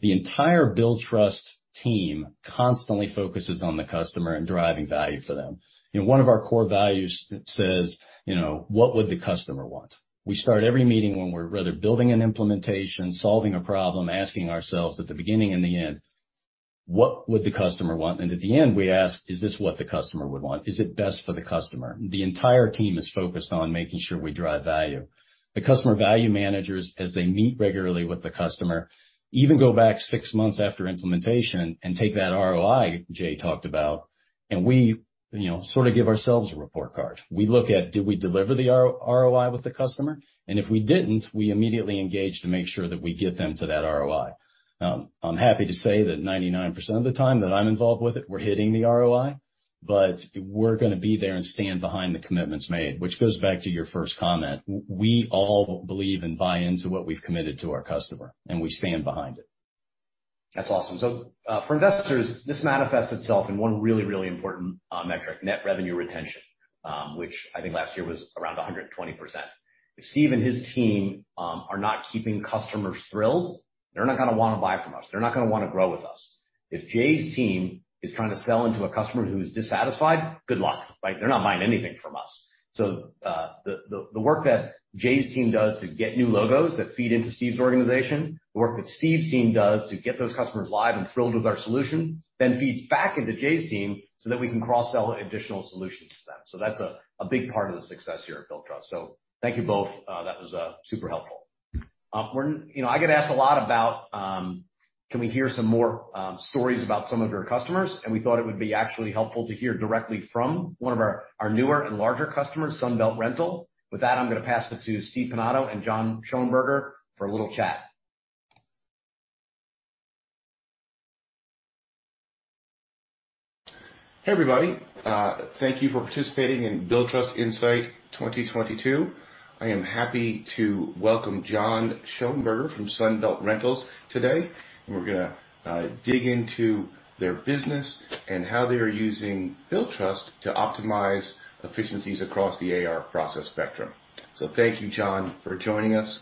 The entire Billtrust team constantly focuses on the customer and driving value for them. You know, one of our core values says, you know, what would the customer want? We start every meeting whether we're building an implementation, solving a problem, asking ourselves at the beginning and the end, what would the customer want? At the end, we ask, is this what the customer would want? Is it best for the customer? The entire team is focused on making sure we drive value. The customer value managers, as they meet regularly with the customer, even go back six months after implementation and take that ROI Jay talked about, and we, you know, sort of give ourselves a report card. We look at did we deliver the ROI with the customer? If we didn't, we immediately engage to make sure that we get them to that ROI. I'm happy to say that 99% of the time that I'm involved with it, we're hitting the ROI, but we're gonna be there and stand behind the commitments made, which goes back to your first comment. We all believe and buy into what we've committed to our customer, and we stand behind it. That's awesome. For investors, this manifests itself in one really important metric, Net Revenue Retention, which I think last year was around 120%. If Steve and his team are not keeping customers thrilled, they're not gonna wanna buy from us. They're not gonna wanna grow with us. If Jay's team is trying to sell into a customer who is dissatisfied, good luck. Like, they're not buying anything from us. The work that Jay's team does to get new logos that feed into Steve's organization, the work that Steve's team does to get those customers live and thrilled with our solution, then feeds back into Jay's team so that we can cross-sell additional solutions to them. That's a big part of the success here at Billtrust. Thank you both. That was super helpful. You know, I get asked a lot about can we hear some more stories about some of your customers? We thought it would be actually helpful to hear directly from one of our newer and larger customers, Sunbelt Rentals. With that, I'm gonna pass it to Steven Pinado and John Schoeben for a little chat. Hey, everybody. Thank you for participating in Billtrust Insight 2022. I am happy to welcome John Schoenberger from Sunbelt Rentals today, and we're gonna dig into their business and how they are using Billtrust to optimize efficiencies across the AR process spectrum. Thank you, John, for joining us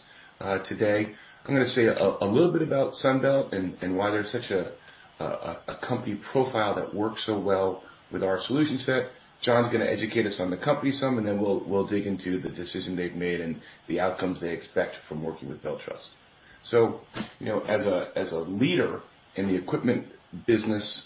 today. I'm gonna say a little bit about Sunbelt and why they're such a company profile that works so well with our solution set. John's gonna educate us on the company some, and then we'll dig into the decision they've made and the outcomes they expect from working with Billtrust. You know, as a leader in the equipment business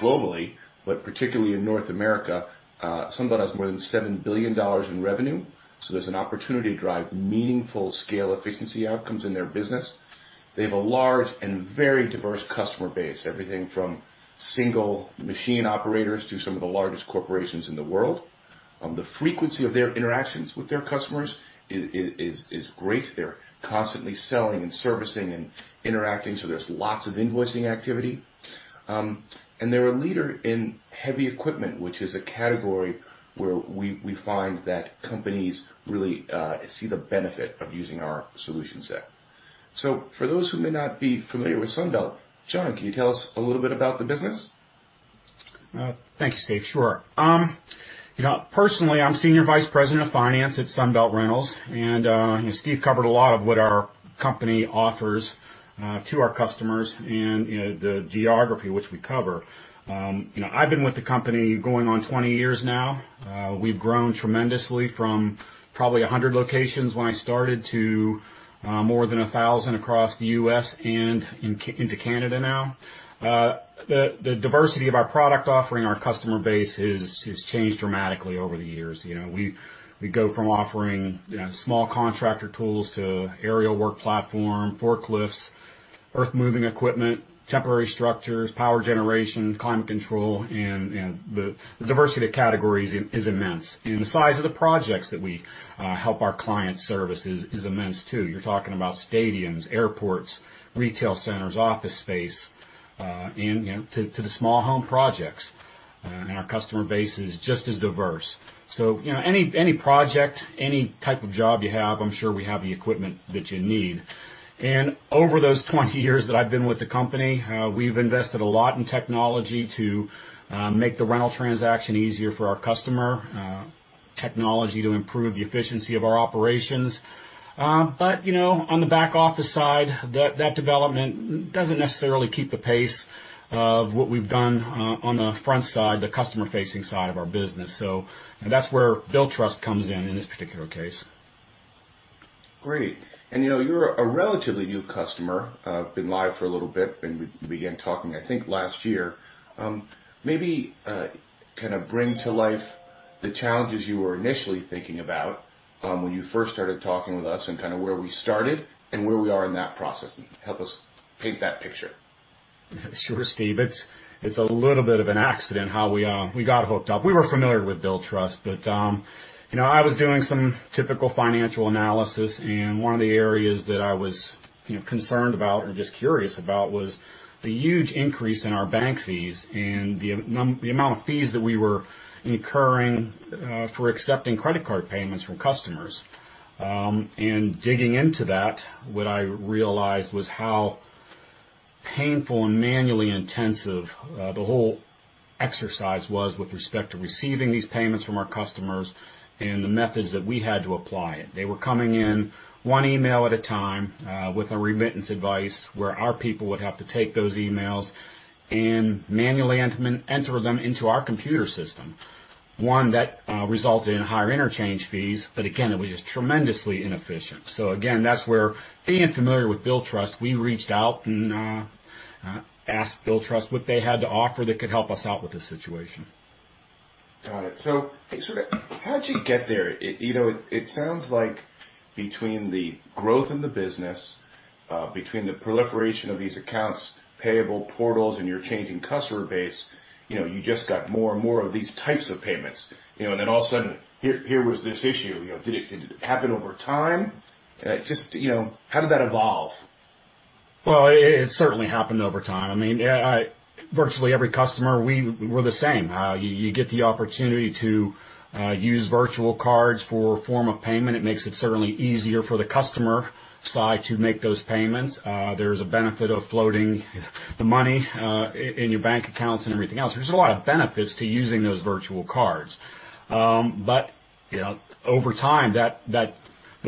globally, but particularly in North America, Sunbelt has more than $7 billion in revenue, so there's an opportunity to drive meaningful scale efficiency outcomes in their business. They have a large and very diverse customer base, everything from single machine operators to some of the largest corporations in the world. The frequency of their interactions with their customers is great. They're constantly selling and servicing and interacting, so there's lots of invoicing activity. They're a leader in heavy equipment, which is a category where we find that companies really see the benefit of using our solution set. For those who may not be familiar with Sunbelt, John, can you tell us a little bit about the business? Thank you, Steve. Sure. You know, personally, I'm Senior Vice President of Finance at Sunbelt Rentals. Steve covered a lot of what our company offers to our customers and, you know, the geography which we cover. You know, I've been with the company going on 20 years now. We've grown tremendously from probably 100 locations when I started to more than 1,000 across the U.S. and into Canada now. The diversity of our product offering, our customer base has changed dramatically over the years. You know, we go from offering small contractor tools to aerial work platform, forklifts, earth-moving equipment, temporary structures, power generation, climate control, and, you know, the diversity of categories is immense. The size of the projects that we help our client service is immense, too. You're talking about stadiums, airports, retail centers, office space, and, you know, to the small home projects. Our customer base is just as diverse. You know, any project, any type of job you have, I'm sure we have the equipment that you need. Over those 20 years that I've been with the company, we've invested a lot in technology to make the rental transaction easier for our customer, technology to improve the efficiency of our operations. But you know, on the back-office side, that development doesn't necessarily keep the pace of what we've done on the front side, the customer-facing side of our business. That's where Billtrust comes in this particular case. Great. You know, you're a relatively new customer, been live for a little bit, and we began talking, I think, last year. Maybe, kind of bring to life the challenges you were initially thinking about, when you first started talking with us and kind of where we started and where we are in that process, and help us paint that picture. Sure, Steve. It's a little bit of an accident how we got hooked up. We were familiar with Billtrust, but you know, I was doing some typical financial analysis, and one of the areas that I was you know, concerned about or just curious about was the huge increase in our bank fees and the amount of fees that we were incurring for accepting credit card payments from customers. Digging into that, what I realized was how painful and manually intensive the whole exercise was with respect to receiving these payments from our customers and the methods that we had to apply it. They were coming in one email at a time with a remittance advice, where our people would have to take those emails and manually enter them into our computer system. One that resulted in higher interchange fees, but again, it was just tremendously inefficient. Again, that's where being familiar with Billtrust, we reached out and asked Billtrust what they had to offer that could help us out with this situation. Got it. Sort of how'd you get there? You know, it sounds like between the growth in the business, between the proliferation of these accounts payable portals and your changing customer base, you know, you just got more and more of these types of payments, you know, and then all of a sudden, here was this issue, you know. Did it happen over time? Just, you know, how did that evolve? It certainly happened over time. I mean, yeah, virtually every customer, we were the same. You get the opportunity to use virtual cards for form of payment. It makes it certainly easier for the customer side to make those payments. There's a benefit of floating the money in your bank accounts and everything else. There's a lot of benefits to using those virtual cards. You know, over time, the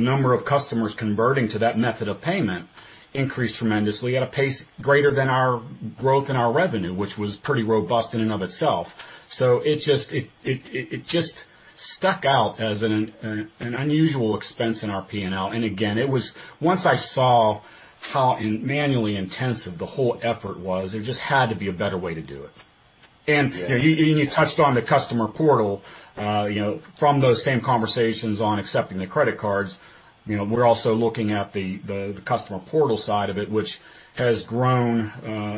number of customers converting to that method of payment increased tremendously at a pace greater than our growth in our revenue, which was pretty robust in and of itself. It just stuck out as an unusual expense in our P&L. Again, it was. Once I saw how manually intensive the whole effort was, there just had to be a better way to do it. Yeah. You know, you touched on the customer portal, you know, from those same conversations on accepting the credit cards. You know, we're also looking at the customer portal side of it, which has grown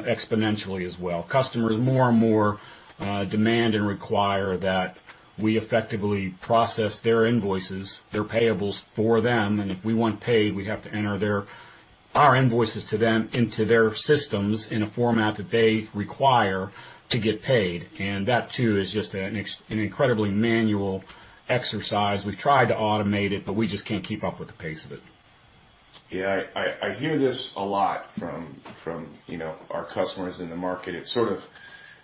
exponentially as well. Customers more and more demand and require that we effectively process their invoices, their payables for them, and if we want paid, we have to enter our invoices to them into their systems in a format that they require to get paid. That, too, is just an incredibly manual exercise. We've tried to automate it, but we just can't keep up with the pace of it. Yeah. I hear this a lot from you know, our customers in the market. It's sort of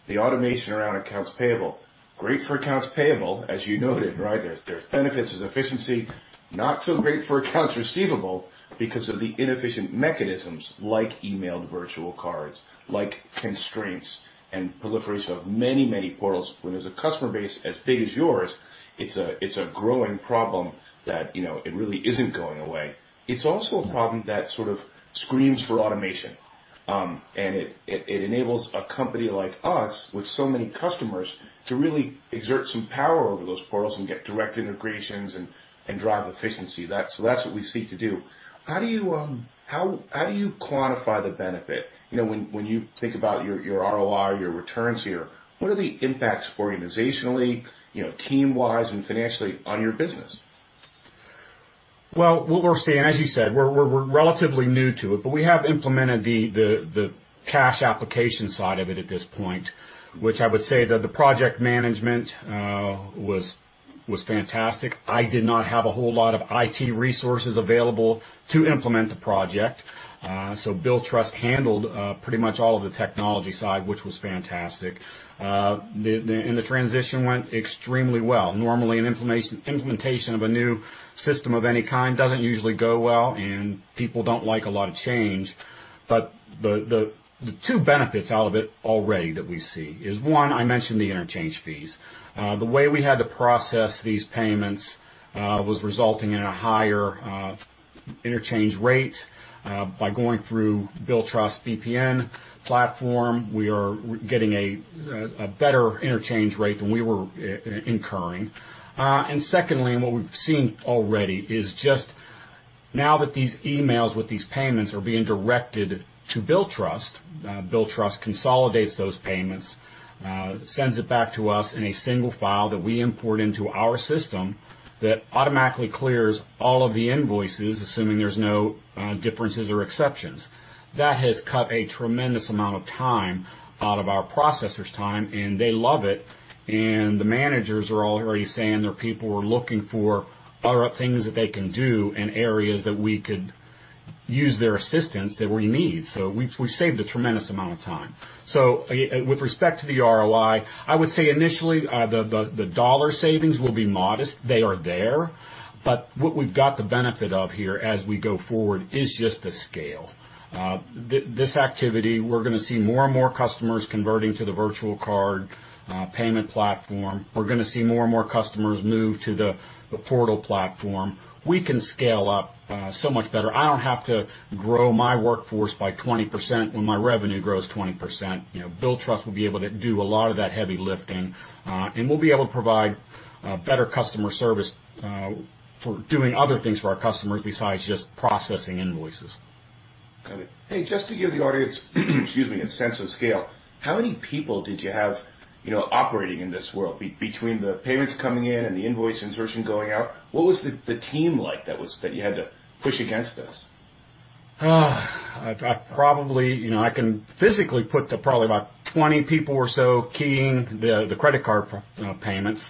the automation around accounts payable, great for accounts payable, as you noted, right? There's benefits, there's efficiency, not so great for accounts receivable because of the inefficient mechanisms like emailed virtual cards, like constraints and proliferation of many, many portals. When there's a customer base as big as yours, it's a growing problem that, you know, it really isn't going away. It's also a problem that sort of screams for automation, and it enables a company like us with so many customers to really exert some power over those portals and get direct integrations and drive efficiency. So that's what we seek to do. How do you quantify the benefit? You know, when you think about your ROI, your returns here, what are the impacts organizationally, you know, team-wise and financially on your business? Well, what we're seeing, as you said, we're relatively new to it, but we have implemented the cash application side of it at this point, which I would say that the project management was fantastic. I did not have a whole lot of IT resources available to implement the project, so Billtrust handled pretty much all of the technology side, which was fantastic. The transition went extremely well. Normally, an implementation of a new system of any kind doesn't usually go well, and people don't like a lot of change. The two benefits out of it already that we see is, one, I mentioned the interchange fees. The way we had to process these payments was resulting in a higher interchange rate. By going through Billtrust BPN platform, we are getting a better interchange rate than we were incurring. Secondly, what we've seen already is now that these emails with these payments are being directed to Billtrust consolidates those payments, sends it back to us in a single file that we import into our system that automatically clears all of the invoices, assuming there's no differences or exceptions. That has cut a tremendous amount of time out of our processor's time, and they love it. The managers are already saying their people are looking for other things that they can do and areas that we could use their assistance that we need. We saved a tremendous amount of time. With respect to the ROI, I would say initially, the dollar savings will be modest. They are there, but what we've got the benefit of here as we go forward is just the scale. This activity, we're gonna see more and more customers converting to the virtual card payment platform. We're gonna see more and more customers move to the portal platform. We can scale up so much better. I don't have to grow my workforce by 20% when my revenue grows 20%. You know, Billtrust will be able to do a lot of that heavy lifting, and we'll be able to provide better customer service for doing other things for our customers besides just processing invoices. Got it. Hey, just to give the audience, excuse me, a sense of scale, how many people did you have, you know, operating in this world between the payments coming in and the invoice insertion going out? What was the team like that was that you had to push against this? I probably, you know, can physically put to probably about 20 people or so keying the credit card payments.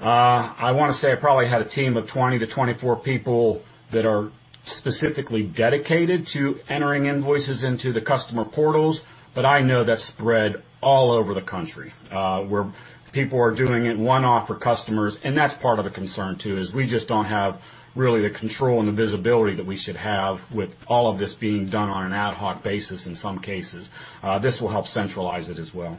I wanna say I probably had a team of 20 to 24 people that are specifically dedicated to entering invoices into the customer portals, but I know that's spread all over the country, where people are doing it one-off for customers, and that's part of the concern too, is we just don't have really the control and the visibility that we should have with all of this being done on an ad hoc basis in some cases. This will help centralize it as well.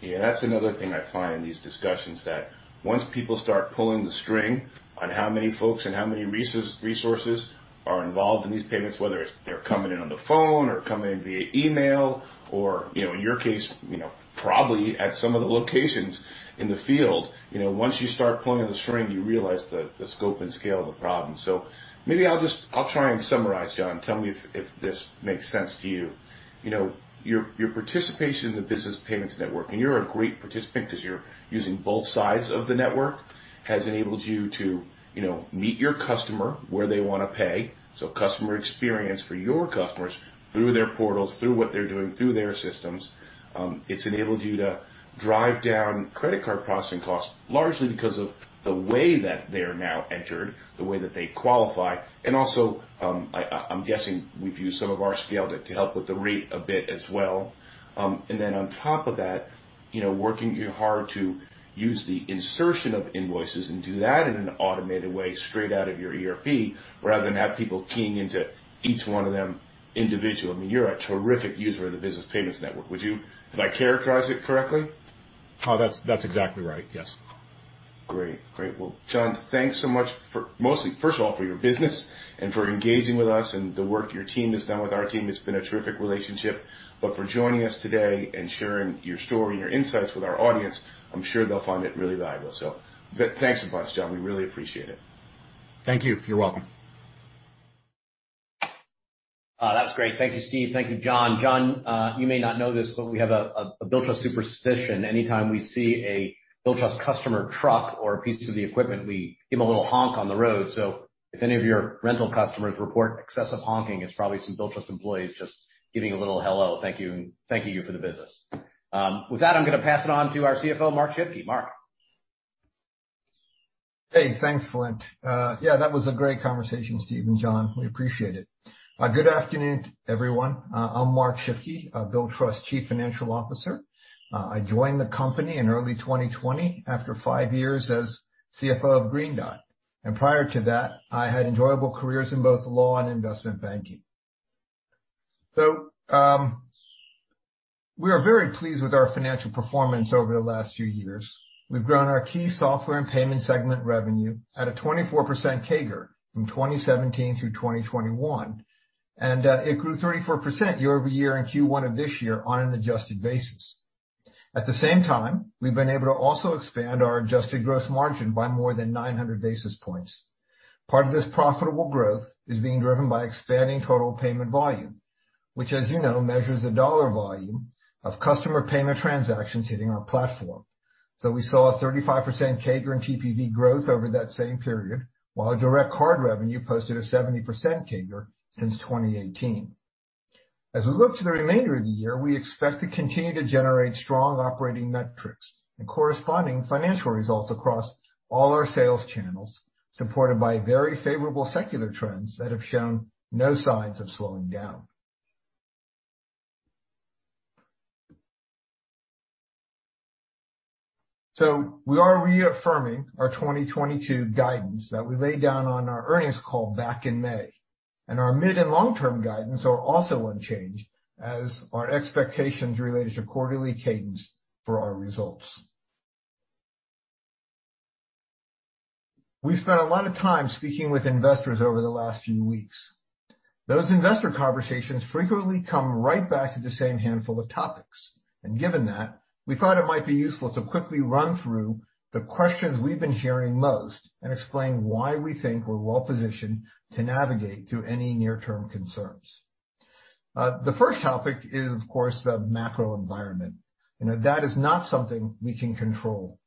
Yeah, that's another thing I find in these discussions that once people start pulling the string on how many folks and how many resources are involved in these payments, whether it's they're coming in on the phone or coming in via email or, you know, in your case, you know, probably at some of the locations in the field, you know, once you start pulling the string, you realize the scope and scale of the problem. Maybe I'll just try and summarize, John. Tell me if this makes sense to you. You know, your participation in the Business Payments Network, and you're a great participant 'cause you're using both sides of the network, has enabled you to, you know, meet your customer where they wanna pay, so customer experience for your customers through their portals, through what they're doing, through their systems. It's enabled you to drive down credit card processing costs largely because of the way that they're now entered, the way that they qualify, and also, I'm guessing we've used some of our scale to help with the rate a bit as well. On top of that, you know, working hard to use the insertion of invoices and do that in an automated way straight out of your ERP, rather than have people keying into each one of them individually. I mean, you're a terrific user of the Business Payments Network. Did I characterize it correctly? Oh, that's exactly right. Yes. Great. Well, John, thanks so much for mostly, first of all, for your business and for engaging with us and the work your team has done with our team. It's been a terrific relationship. For joining us today and sharing your story and your insights with our audience, I'm sure they'll find it really valuable. Thanks a bunch, John. We really appreciate it. Thank you. You're welcome. That's great. Thank you, Steve. Thank you, John. John, you may not know this, but we have a Billtrust superstition. Anytime we see a Billtrust customer truck or a piece of the equipment, we give a little honk on the road. If any of your rental customers report excessive honking, it's probably some Billtrust employees just giving a little hello, thank you, and thanking you for the business. With that, I'm gonna pass it on to our CFO, Mark Shifke. Mark? Hey, thanks, Flint. Yeah, that was a great conversation, Steve and John. We appreciate it. Good afternoon, everyone. I'm Mark Shifke, Billtrust Chief Financial Officer. I joined the company in early 2020 after five years as CFO of Green Dot. Prior to that, I had enjoyable careers in both law and investment banking. We are very pleased with our financial performance over the last few years. We've grown our key software and payment segment revenue at a 24% CAGR from 2017 through 2021, and it grew 34% year-over-year in Q1 of this year on an adjusted basis. At the same time, we've been able to also expand our adjusted gross margin by more than 900 basis points. Part of this profitable growth is being driven by expanding total payment volume, which, as you know, measures the dollar volume of customer payment transactions hitting our platform. We saw a 35% CAGR in TPV growth over that same period, while our direct card revenue posted a 70% CAGR since 2018. As we look to the remainder of the year, we expect to continue to generate strong operating metrics and corresponding financial results across all our sales channels, supported by very favorable secular trends that have shown no signs of slowing down. We are reaffirming our 2022 guidance that we laid down on our earnings call back in May, and our mid and long-term guidance are also unchanged as our expectations related to quarterly cadence for our results. We've spent a lot of time speaking with investors over the last few weeks. Those investor conversations frequently come right back to the same handful of topics. Given that, we thought it might be useful to quickly run through the questions we've been hearing most and explain why we think we're well-positioned to navigate through any near-term concerns. The first topic is, of course, the macro environment. You know, that is not something we can control,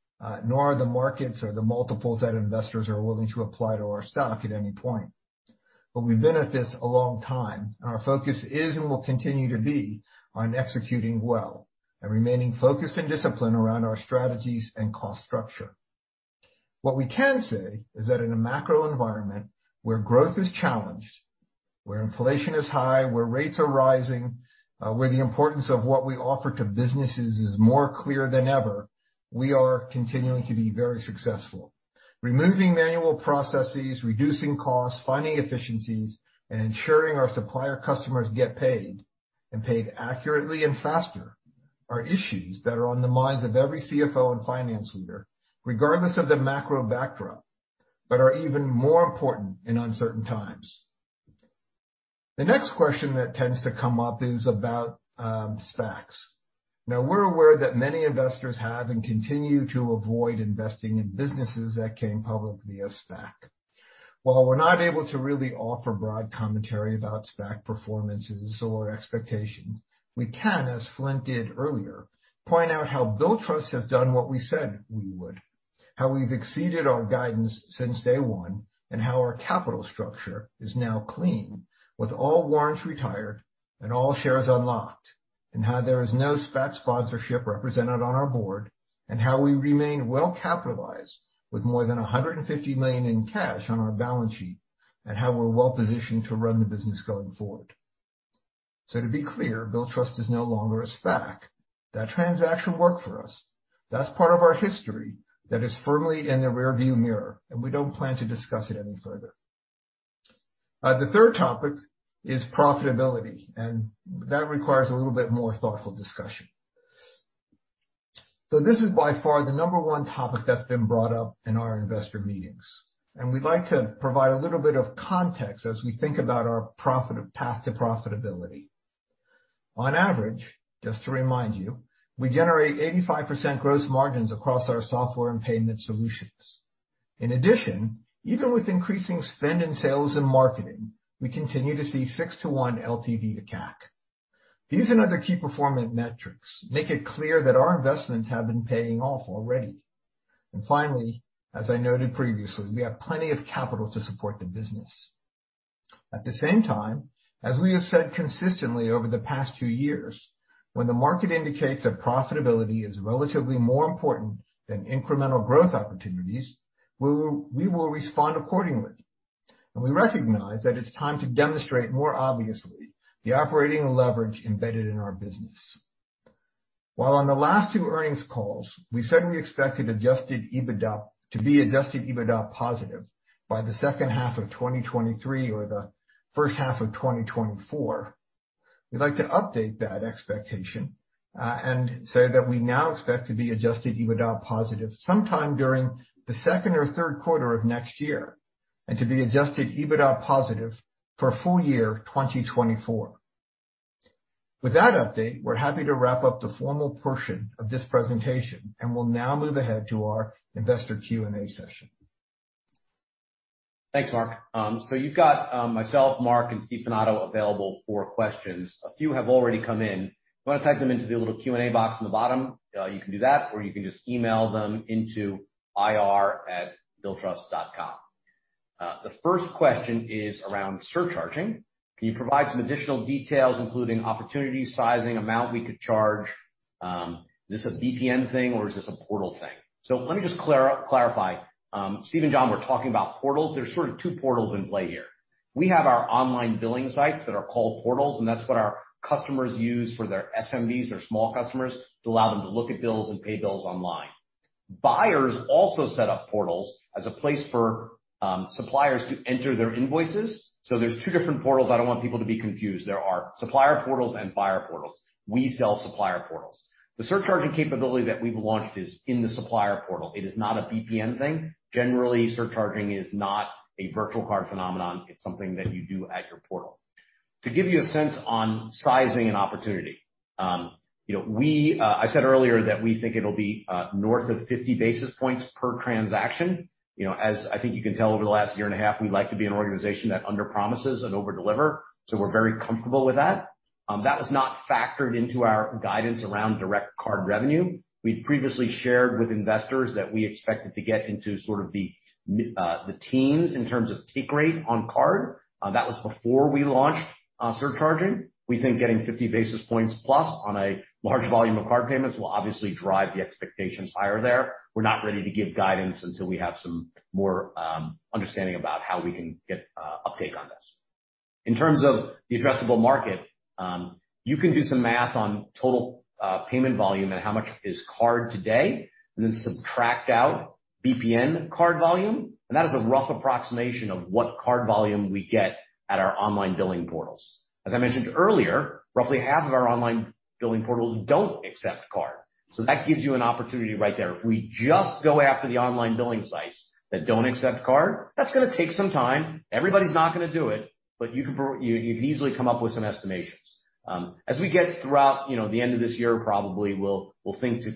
nor are the markets or the multiples that investors are willing to apply to our stock at any point. We've been at this a long time, and our focus is and will continue to be on executing well and remaining focused and disciplined around our strategies and cost structure. What we can say is that in a macro environment where growth is challenged, where inflation is high, where rates are rising, where the importance of what we offer to businesses is more clear than ever, we are continuing to be very successful. Removing manual processes, reducing costs, finding efficiencies, and ensuring our supplier customers get paid, and paid accurately and faster, are issues that are on the minds of every CFO and finance leader, regardless of the macro backdrop, but are even more important in uncertain times. The next question that tends to come up is about SPACs. Now, we're aware that many investors have and continue to avoid investing in businesses that came public via SPAC. While we're not able to really offer broad commentary about SPAC performances or expectations, we can, as Flint did earlier, point out how Billtrust has done what we said we would, how we've exceeded our guidance since day one, and how our capital structure is now clean, with all warrants retired and all shares unlocked, and how there is no SPAC sponsorship represented on our board, and how we remain well-capitalized with more than $150 million in cash on our balance sheet, and how we're well-positioned to run the business going forward. To be clear, Billtrust is no longer a SPAC. That transaction worked for us. That's part of our history that is firmly in the rearview mirror, and we don't plan to discuss it any further. The third topic is profitability, and that requires a little bit more thoughtful discussion. This is by far the number one topic that's been brought up in our investor meetings, and we'd like to provide a little bit of context as we think about our path to profitability. On average, just to remind you, we generate 85% gross margins across our software and payment solutions. In addition, even with increasing spend in sales and marketing, we continue to see 6-to-1 LTV to CAC. These and other key performance metrics make it clear that our investments have been paying off already. Finally, as I noted previously, we have plenty of capital to support the business. At the same time, as we have said consistently over the past two years, when the market indicates that profitability is relatively more important than incremental growth opportunities, we will respond accordingly. We recognize that it's time to demonstrate more obviously the operating leverage embedded in our business. While on the last two earnings calls, we said we expected adjusted EBITDA to be adjusted EBITDA positive by the second half of 2023 or the first half of 2024, we'd like to update that expectation, and say that we now expect to be adjusted EBITDA positive sometime during the second or third quarter of next year, and to be adjusted EBITDA positive for full year 2024. With that update, we're happy to wrap up the formal portion of this presentation, and we'll now move ahead to our investor Q&A session. Thanks, Mark. So you've got myself, Mark, and Steven Pinado available for questions. A few have already come in. If you wanna type them into the little Q&A box on the bottom, you can do that, or you can just email them into ir@Billtrust. The first question is around surcharging. Can you provide some additional details, including opportunity sizing, amount we could charge? Is this a BPN thing, or is this a portal thing? Let me just clarify. Steve and John were talking about portals. There's sort of two portals in play here. We have our online billing sites that are called portals, and that's what our customers use for their SMBs, their small customers, to allow them to look at bills and pay bills online. Buyers also set up portals as a place for suppliers to enter their invoices. There's two different portals. I don't want people to be confused. There are supplier portals and buyer portals. We sell supplier portals. The surcharging capability that we've launched is in the supplier portal. It is not a BPN thing. Generally, surcharging is not a virtual card phenomenon. It's something that you do at your portal. To give you a sense on sizing and opportunity, you know, I said earlier that we think it'll be north of 50 basis points per transaction. You know, as I think you can tell, over the last year and a half, we like to be an organization that underpromises and over-deliver, so we're very comfortable with that. That was not factored into our guidance around direct card revenue. We'd previously shared with investors that we expected to get into sort of the teens in terms of take rate on card. That was before we launched surcharging. We think getting 50 basis points plus on a large volume of card payments will obviously drive the expectations higher there. We're not ready to give guidance until we have some more understanding about how we can get uptake on this. In terms of the addressable market, you can do some math on total payment volume and how much is card today, and then subtract out BPN card volume, and that is a rough approximation of what card volume we get at our online billing portals. As I mentioned earlier, roughly half of our online billing portals don't accept card, so that gives you an opportunity right there. If we just go after the online billing sites that don't accept card, that's gonna take some time. Everybody's not gonna do it, but you can easily come up with some estimations. As we get through the end of this year, you know, probably we'll think to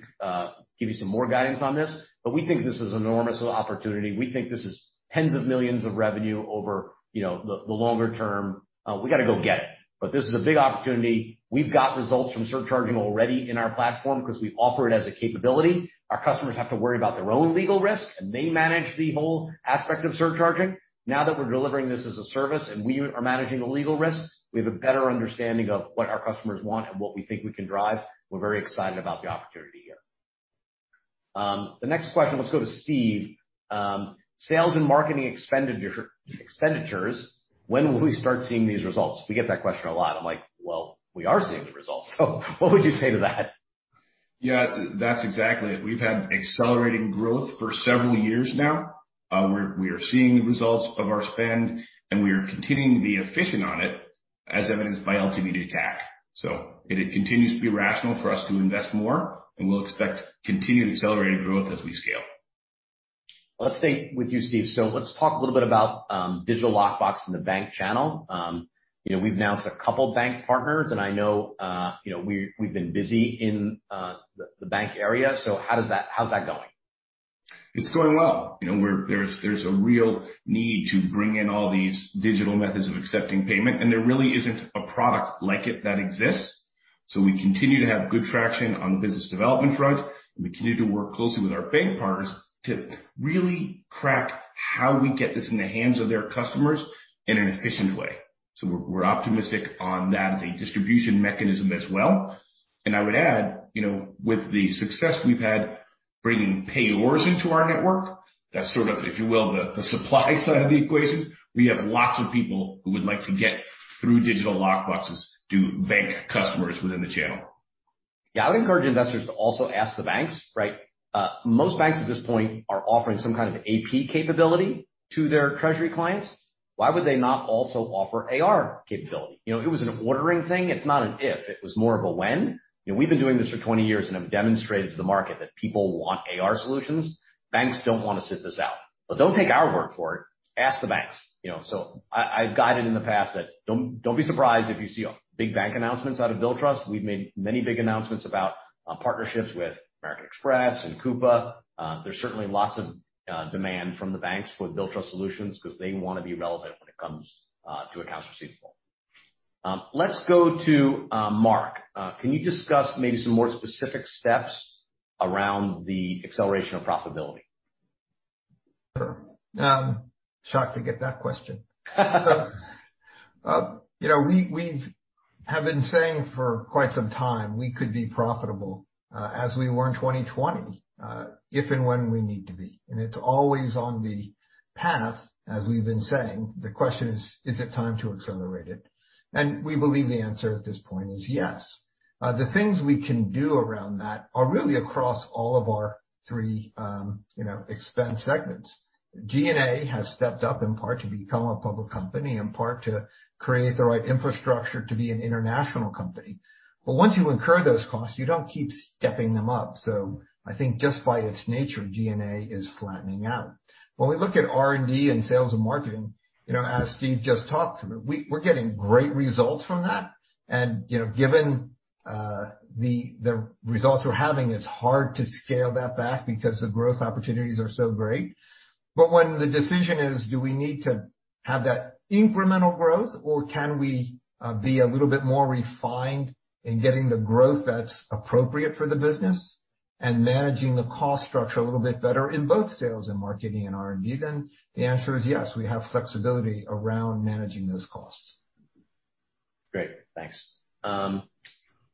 give you some more guidance on this, but we think this is an enormous opportunity. We think this is $ tens of millions of revenue over, you know, the longer term. We gotta go get it, but this is a big opportunity. We've got results from surcharging already in our platform 'cause we offer it as a capability. Our customers have to worry about their own legal risk, and they manage the whole aspect of surcharging. Now that we're delivering this as a service and we are managing the legal risks, we have a better understanding of what our customers want and what we think we can drive. We're very excited about the opportunity here. The next question, let's go to Steve. Sales and marketing expenditures, when will we start seeing these results? We get that question a lot. I'm like, well, we are seeing the results. What would you say to that? That's exactly it. We've had accelerating growth for several years now. We are seeing the results of our spend, and we are continuing to be efficient on it, as evidenced by LTV to CAC. It continues to be rational for us to invest more, and we'll expect continued accelerated growth as we scale. Let's stay with you, Steve. Let's talk a little bit about Digital Lockbox in the bank channel. You know, we've announced a couple bank partners, and I know, you know, we've been busy in the bank area. How's that going? It's going well. You know, there's a real need to bring in all these digital methods of accepting payment, and there really isn't a product like it that exists. We continue to have good traction on the business development front. We continue to work closely with our bank partners to really crack how we get this in the hands of their customers in an efficient way. We're optimistic on that as a distribution mechanism as well. I would add, you know, with the success we've had bringing payers into our network, that's sort of, if you will, the supply side of the equation. We have lots of people who would like to get through Digital Lockboxes to bank customers within the channel. Yeah. I would encourage investors to also ask the banks, right? Most banks at this point are offering some kind of AP capability to their treasury clients. Why would they not also offer AR capability? You know, it was an ordering thing. It's not an if, it was more of a when. You know, we've been doing this for 20 years and have demonstrated to the market that people want AR solutions. Banks don't wanna sit this out. But don't take our word for it, ask the banks. You know, so I've guided in the past that don't be surprised if you see big bank announcements out of Billtrust. We've made many big announcements about partnerships with American Express and Coupa. There's certainly lots of demand from the banks for the Billtrust solutions 'cause they wanna be relevant when it comes to accounts receivable. Let's go to Mark. Can you discuss maybe some more specific steps around the acceleration of profitability? Sure. I'm shocked to get that question. You know, we've been saying for quite some time we could be profitable, as we were in 2020, if and when we need to be, and it's always on the path, as we've been saying. The question is it time to accelerate it? We believe the answer at this point is yes. The things we can do around that are really across all of our three, you know, expense segments. G&A has stepped up in part to become a public company, in part to create the right infrastructure to be an international company. Once you incur those costs, you don't keep stepping them up. I think just by its nature, G&A is flattening out. When we look at R&D and sales and marketing, you know, as Steve just talked through, we're getting great results from that. You know, given the results we're having, it's hard to scale that back because the growth opportunities are so great. When the decision is do we need to have that incremental growth or can we be a little bit more refined in getting the growth that's appropriate for the business and managing the cost structure a little bit better in both sales and marketing and R&D, then the answer is yes. We have flexibility around managing those costs. Great. Thanks.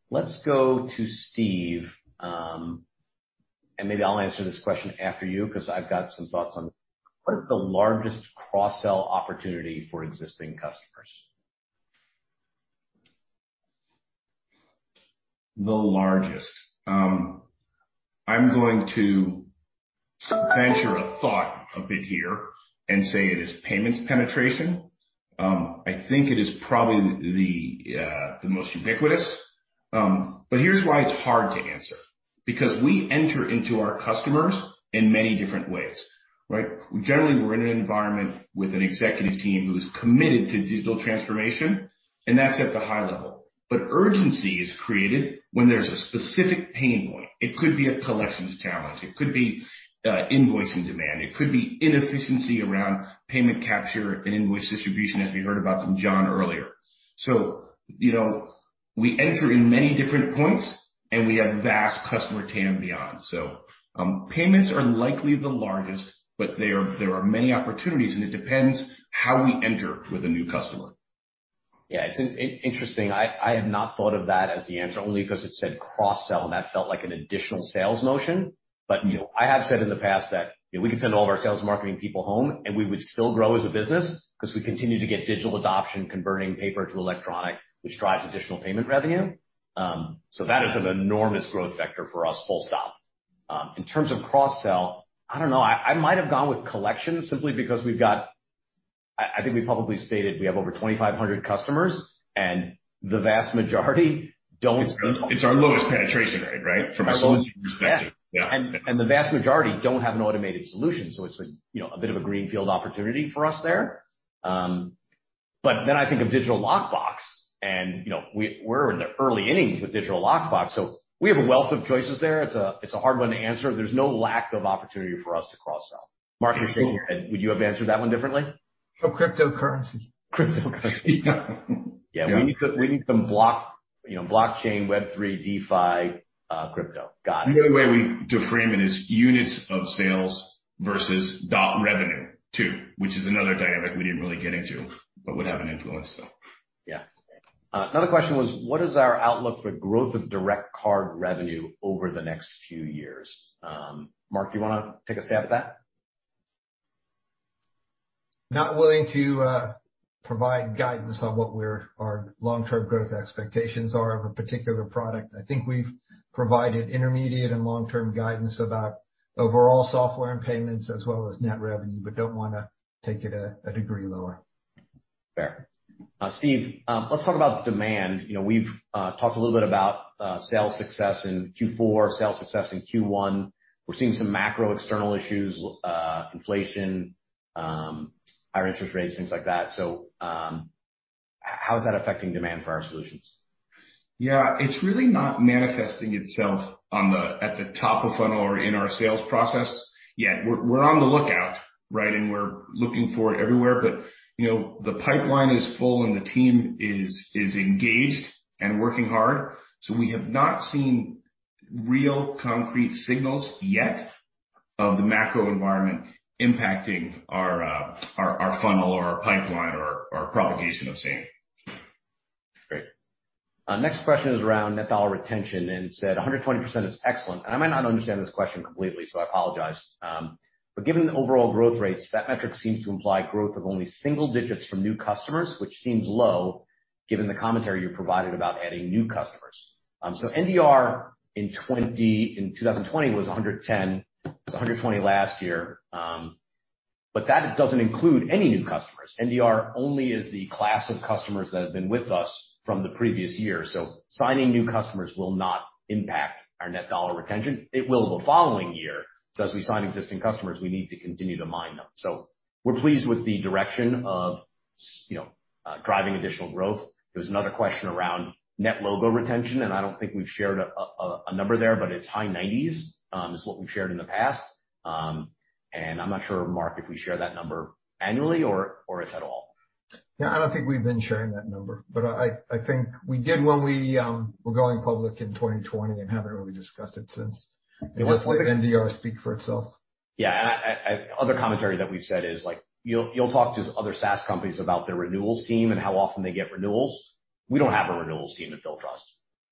Let's go to Steve. Maybe I'll answer this question after you 'cause I've got some thoughts on it. What is the largest cross-sell opportunity for existing customers? The largest. I'm going to venture a thought a bit here and say it is payments penetration. I think it is probably the most ubiquitous. Here's why it's hard to answer, because we enter into our customers in many different ways, right? Generally, we're in an environment with an executive team who is committed to digital transformation, and that's at the high level. Urgency is created when there's a specific pain point. It could be a collections challenge, it could be invoicing demand, it could be inefficiency around payment capture and invoice distribution, as we heard about from John earlier. You know, we enter in many different points, and we have vast customer TAM beyond. Payments are likely the largest, but there are many opportunities, and it depends how we enter with a new customer. Yeah, it's interesting. I have not thought of that as the answer, only because it said cross-sell, and that felt like an additional sales motion. You know, I have said in the past that, you know, we could send all of our sales and marketing people home, and we would still grow as a business 'cause we continue to get digital adoption, converting paper to electronic, which drives additional payment revenue. That is an enormous growth vector for us, full stop. In terms of cross-sell, I don't know. I might have gone with collections simply because we've got. I think we probably stated we have over 2,500 customers, and the vast majority It's our lowest penetration rate, right? From a solutions perspective. Our lowest, yeah. Yeah. The vast majority don't have an automated solution, so it's a you know a bit of a greenfield opportunity for us there. But then I think of Digital Lockbox and, you know, we're in the early innings with Digital Lockbox, so we have a wealth of choices there. It's a hard one to answer. There's no lack of opportunity for us to cross-sell. Mark, you're shaking your head. Would you have answered that one differently? For cryptocurrency. Cryptocurrency. Yeah. Yeah, we need some blockchain, you know, Web3, DeFi, crypto. Got it. The only way to frame it is units of sales versus direct revenue too, which is another dynamic we didn't really get into but would have an influence. Yeah. Another question was, what is our outlook for growth of direct card revenue over the next few years? Mark, do you wanna take a stab at that? Not willing to provide guidance on what our long-term growth expectations are of a particular product. I think we've provided intermediate and long-term guidance about overall software and payments as well as net revenue, but don't wanna take it a degree lower. Fair. Steve, let's talk about demand. You know, we've talked a little bit about sales success in Q4, sales success in Q1. We're seeing some macro external issues, inflation, higher interest rates, things like that. How is that affecting demand for our solutions? Yeah. It's really not manifesting itself at the top of funnel or in our sales process yet. We're on the lookout, right? We're looking for it everywhere. You know, the pipeline is full and the team is engaged and working hard. We have not seen real concrete signals yet of the macro environment impacting our funnel or our pipeline or propagation of same. Great. Next question is around net dollar retention and 120% is excellent. I might not understand this question completely, so I apologize. Given the overall growth rates, that metric seems to imply growth of only single digits from new customers, which seems low given the commentary you provided about adding new customers. NDR in 2020 was 110. It was 120 last year. That doesn't include any new customers. NDR only is the class of customers that have been with us from the previous year. Signing new customers will not impact our net dollar retention. It will the following year. As we sign existing customers, we need to continue to mine them. We're pleased with the direction of driving additional growth. There's another question around net dollar retention, and I don't think we've shared a number there, but it's high 90s%, is what we've shared in the past. I'm not sure, Mark, if we share that number annually or if at all. Yeah, I don't think we've been sharing that number, but I think we did when we were going public in 2020 and haven't really discussed it since. Yeah. We let the NDR speak for itself. Yeah. Other commentary that we've said is, like, you'll talk to other SaaS companies about their renewals team and how often they get renewals. We don't have a renewals team at Billtrust.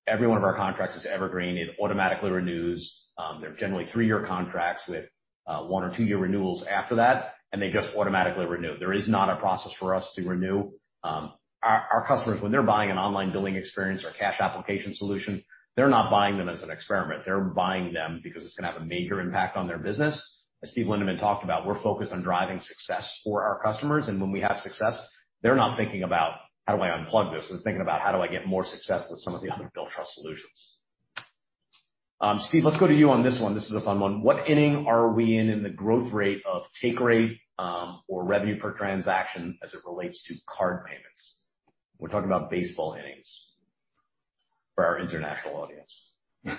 Every one of our contracts is evergreen. It automatically renews. They're generally three-year contracts with one or two-year renewals after that, and they just automatically renew. There is not a process for us to renew. Our customers, when they're buying an online billing experience or cash application solution, they're not buying them as an experiment. They're buying them because it's gonna have a major impact on their business. As Steve Lindeman talked about, we're focused on driving success for our customers, and when we have success, they're not thinking about how do I unplug this, they're thinking about how do I get more success with some of the other Billtrust solutions. Steve, let's go to you on this one. This is a fun one. What inning are we in the growth rate of take rate or revenue per transaction as it relates to card payments? We're talking about baseball innings for our international audience.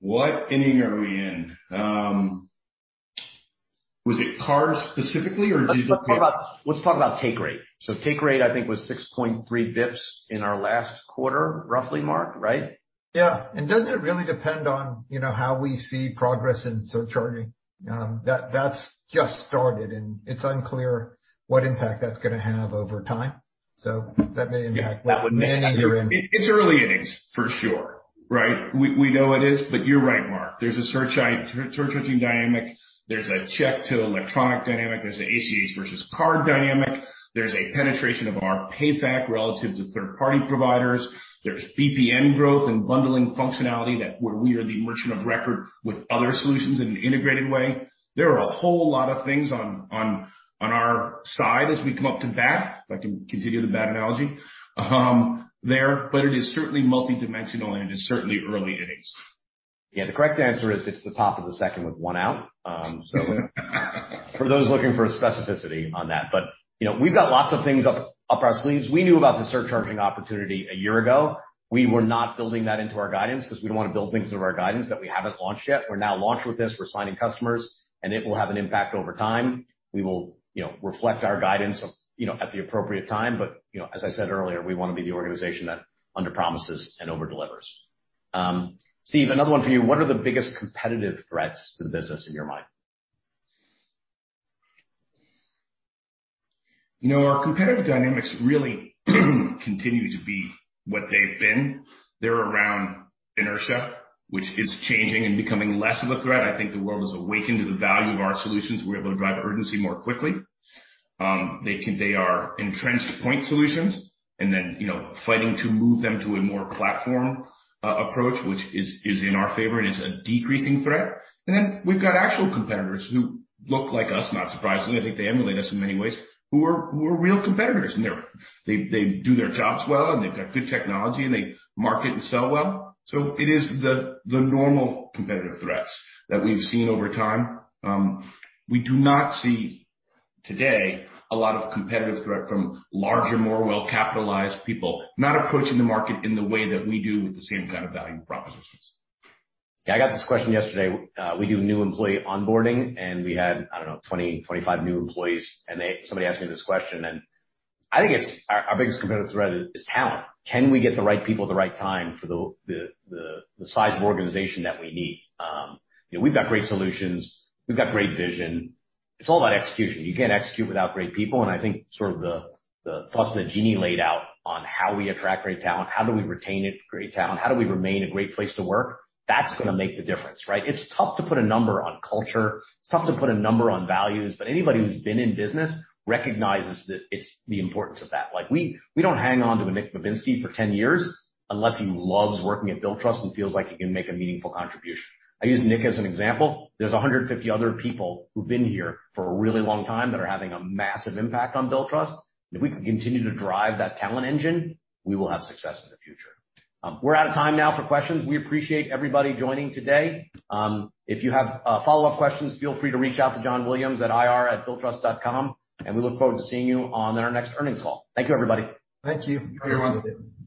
What inning are we in? Was it cards specifically, or digital payments? Let's talk about take rate. Take rate I think was 6.3 BPS in our last quarter, roughly, Mark, right? Yeah. Doesn't it really depend on, you know, how we see progress in surcharging? That's just started and it's unclear what impact that's gonna have over time. That may impact what inning you're in. It's early innings for sure, right? We know it is, but you're right, Mark. There's a surcharging dynamic. There's a check to electronic dynamic. There's ACH versus card dynamic. There's a penetration of our payback relative to third-party providers. There's BPN growth and bundling functionality that where we are the merchant of record with other solutions in an integrated way. There are a whole lot of things on our side as we come up to bat, if I can continue the bat analogy, but it is certainly multidimensional and it is certainly early innings. Yeah. The correct answer is it's the top of the second with one out. For those looking for specificity on that. You know, we've got lots of things up our sleeves. We knew about the surcharging opportunity a year ago. We were not building that into our guidance 'cause we don't wanna build things into our guidance that we haven't launched yet. We're now launched with this. We're signing customers, and it will have an impact over time. We will, you know, reflect our guidance of, you know, at the appropriate time, but, you know, as I said earlier, we wanna be the organization that underpromises and over-delivers. Steve, another one for you. What are the biggest competitive threats to the business in your mind? You know, our competitive dynamics really continue to be what they've been. They're around inertia, which is changing and becoming less of a threat. I think the world has awakened to the value of our solutions. We're able to drive urgency more quickly. They are entrenched point solutions and then, you know, fighting to move them to a more platform approach, which is in our favor and is a decreasing threat. We've got actual competitors who look like us, not surprisingly. I think they emulate us in many ways, who are real competitors, and they do their jobs well, and they've got good technology, and they market and sell well. It is the normal competitive threats that we've seen over time. We do not see today a lot of competitive threat from larger, more well-capitalized people, not approaching the market in the way that we do with the same kind of value propositions. Yeah, I got this question yesterday. We do new employee onboarding, and we had, I don't know, 20-25 new employees, and somebody asked me this question, and I think it's our biggest competitive threat is talent. Can we get the right people at the right time for the size of organization that we need? You know, we've got great solutions. We've got great vision. It's all about execution. You can't execute without great people, and I think sort of the thoughts that Jeanne laid out on how we attract great talent, how do we retain it, great talent, how do we remain a great place to work, that's gonna make the difference, right? It's tough to put a number on culture. It's tough to put a number on values, but anybody who's been in business recognizes that it's the importance of that. Like, we don't hang on to a Nick Babinsky for 10 years unless he loves working at Billtrust and feels like he can make a meaningful contribution. I use Nick as an example. There's 150 other people who've been here for a really long time that are having a massive impact on Billtrust. If we can continue to drive that talent engine, we will have success in the future. We're out of time now for questions. We appreciate everybody joining today. If you have follow-up questions, feel free to reach out to John S. Williams at ir@Billtrust, and we look forward to seeing you on our next earnings call. Thank you, everybody. Thank you. Thank you, everyone. Yeah.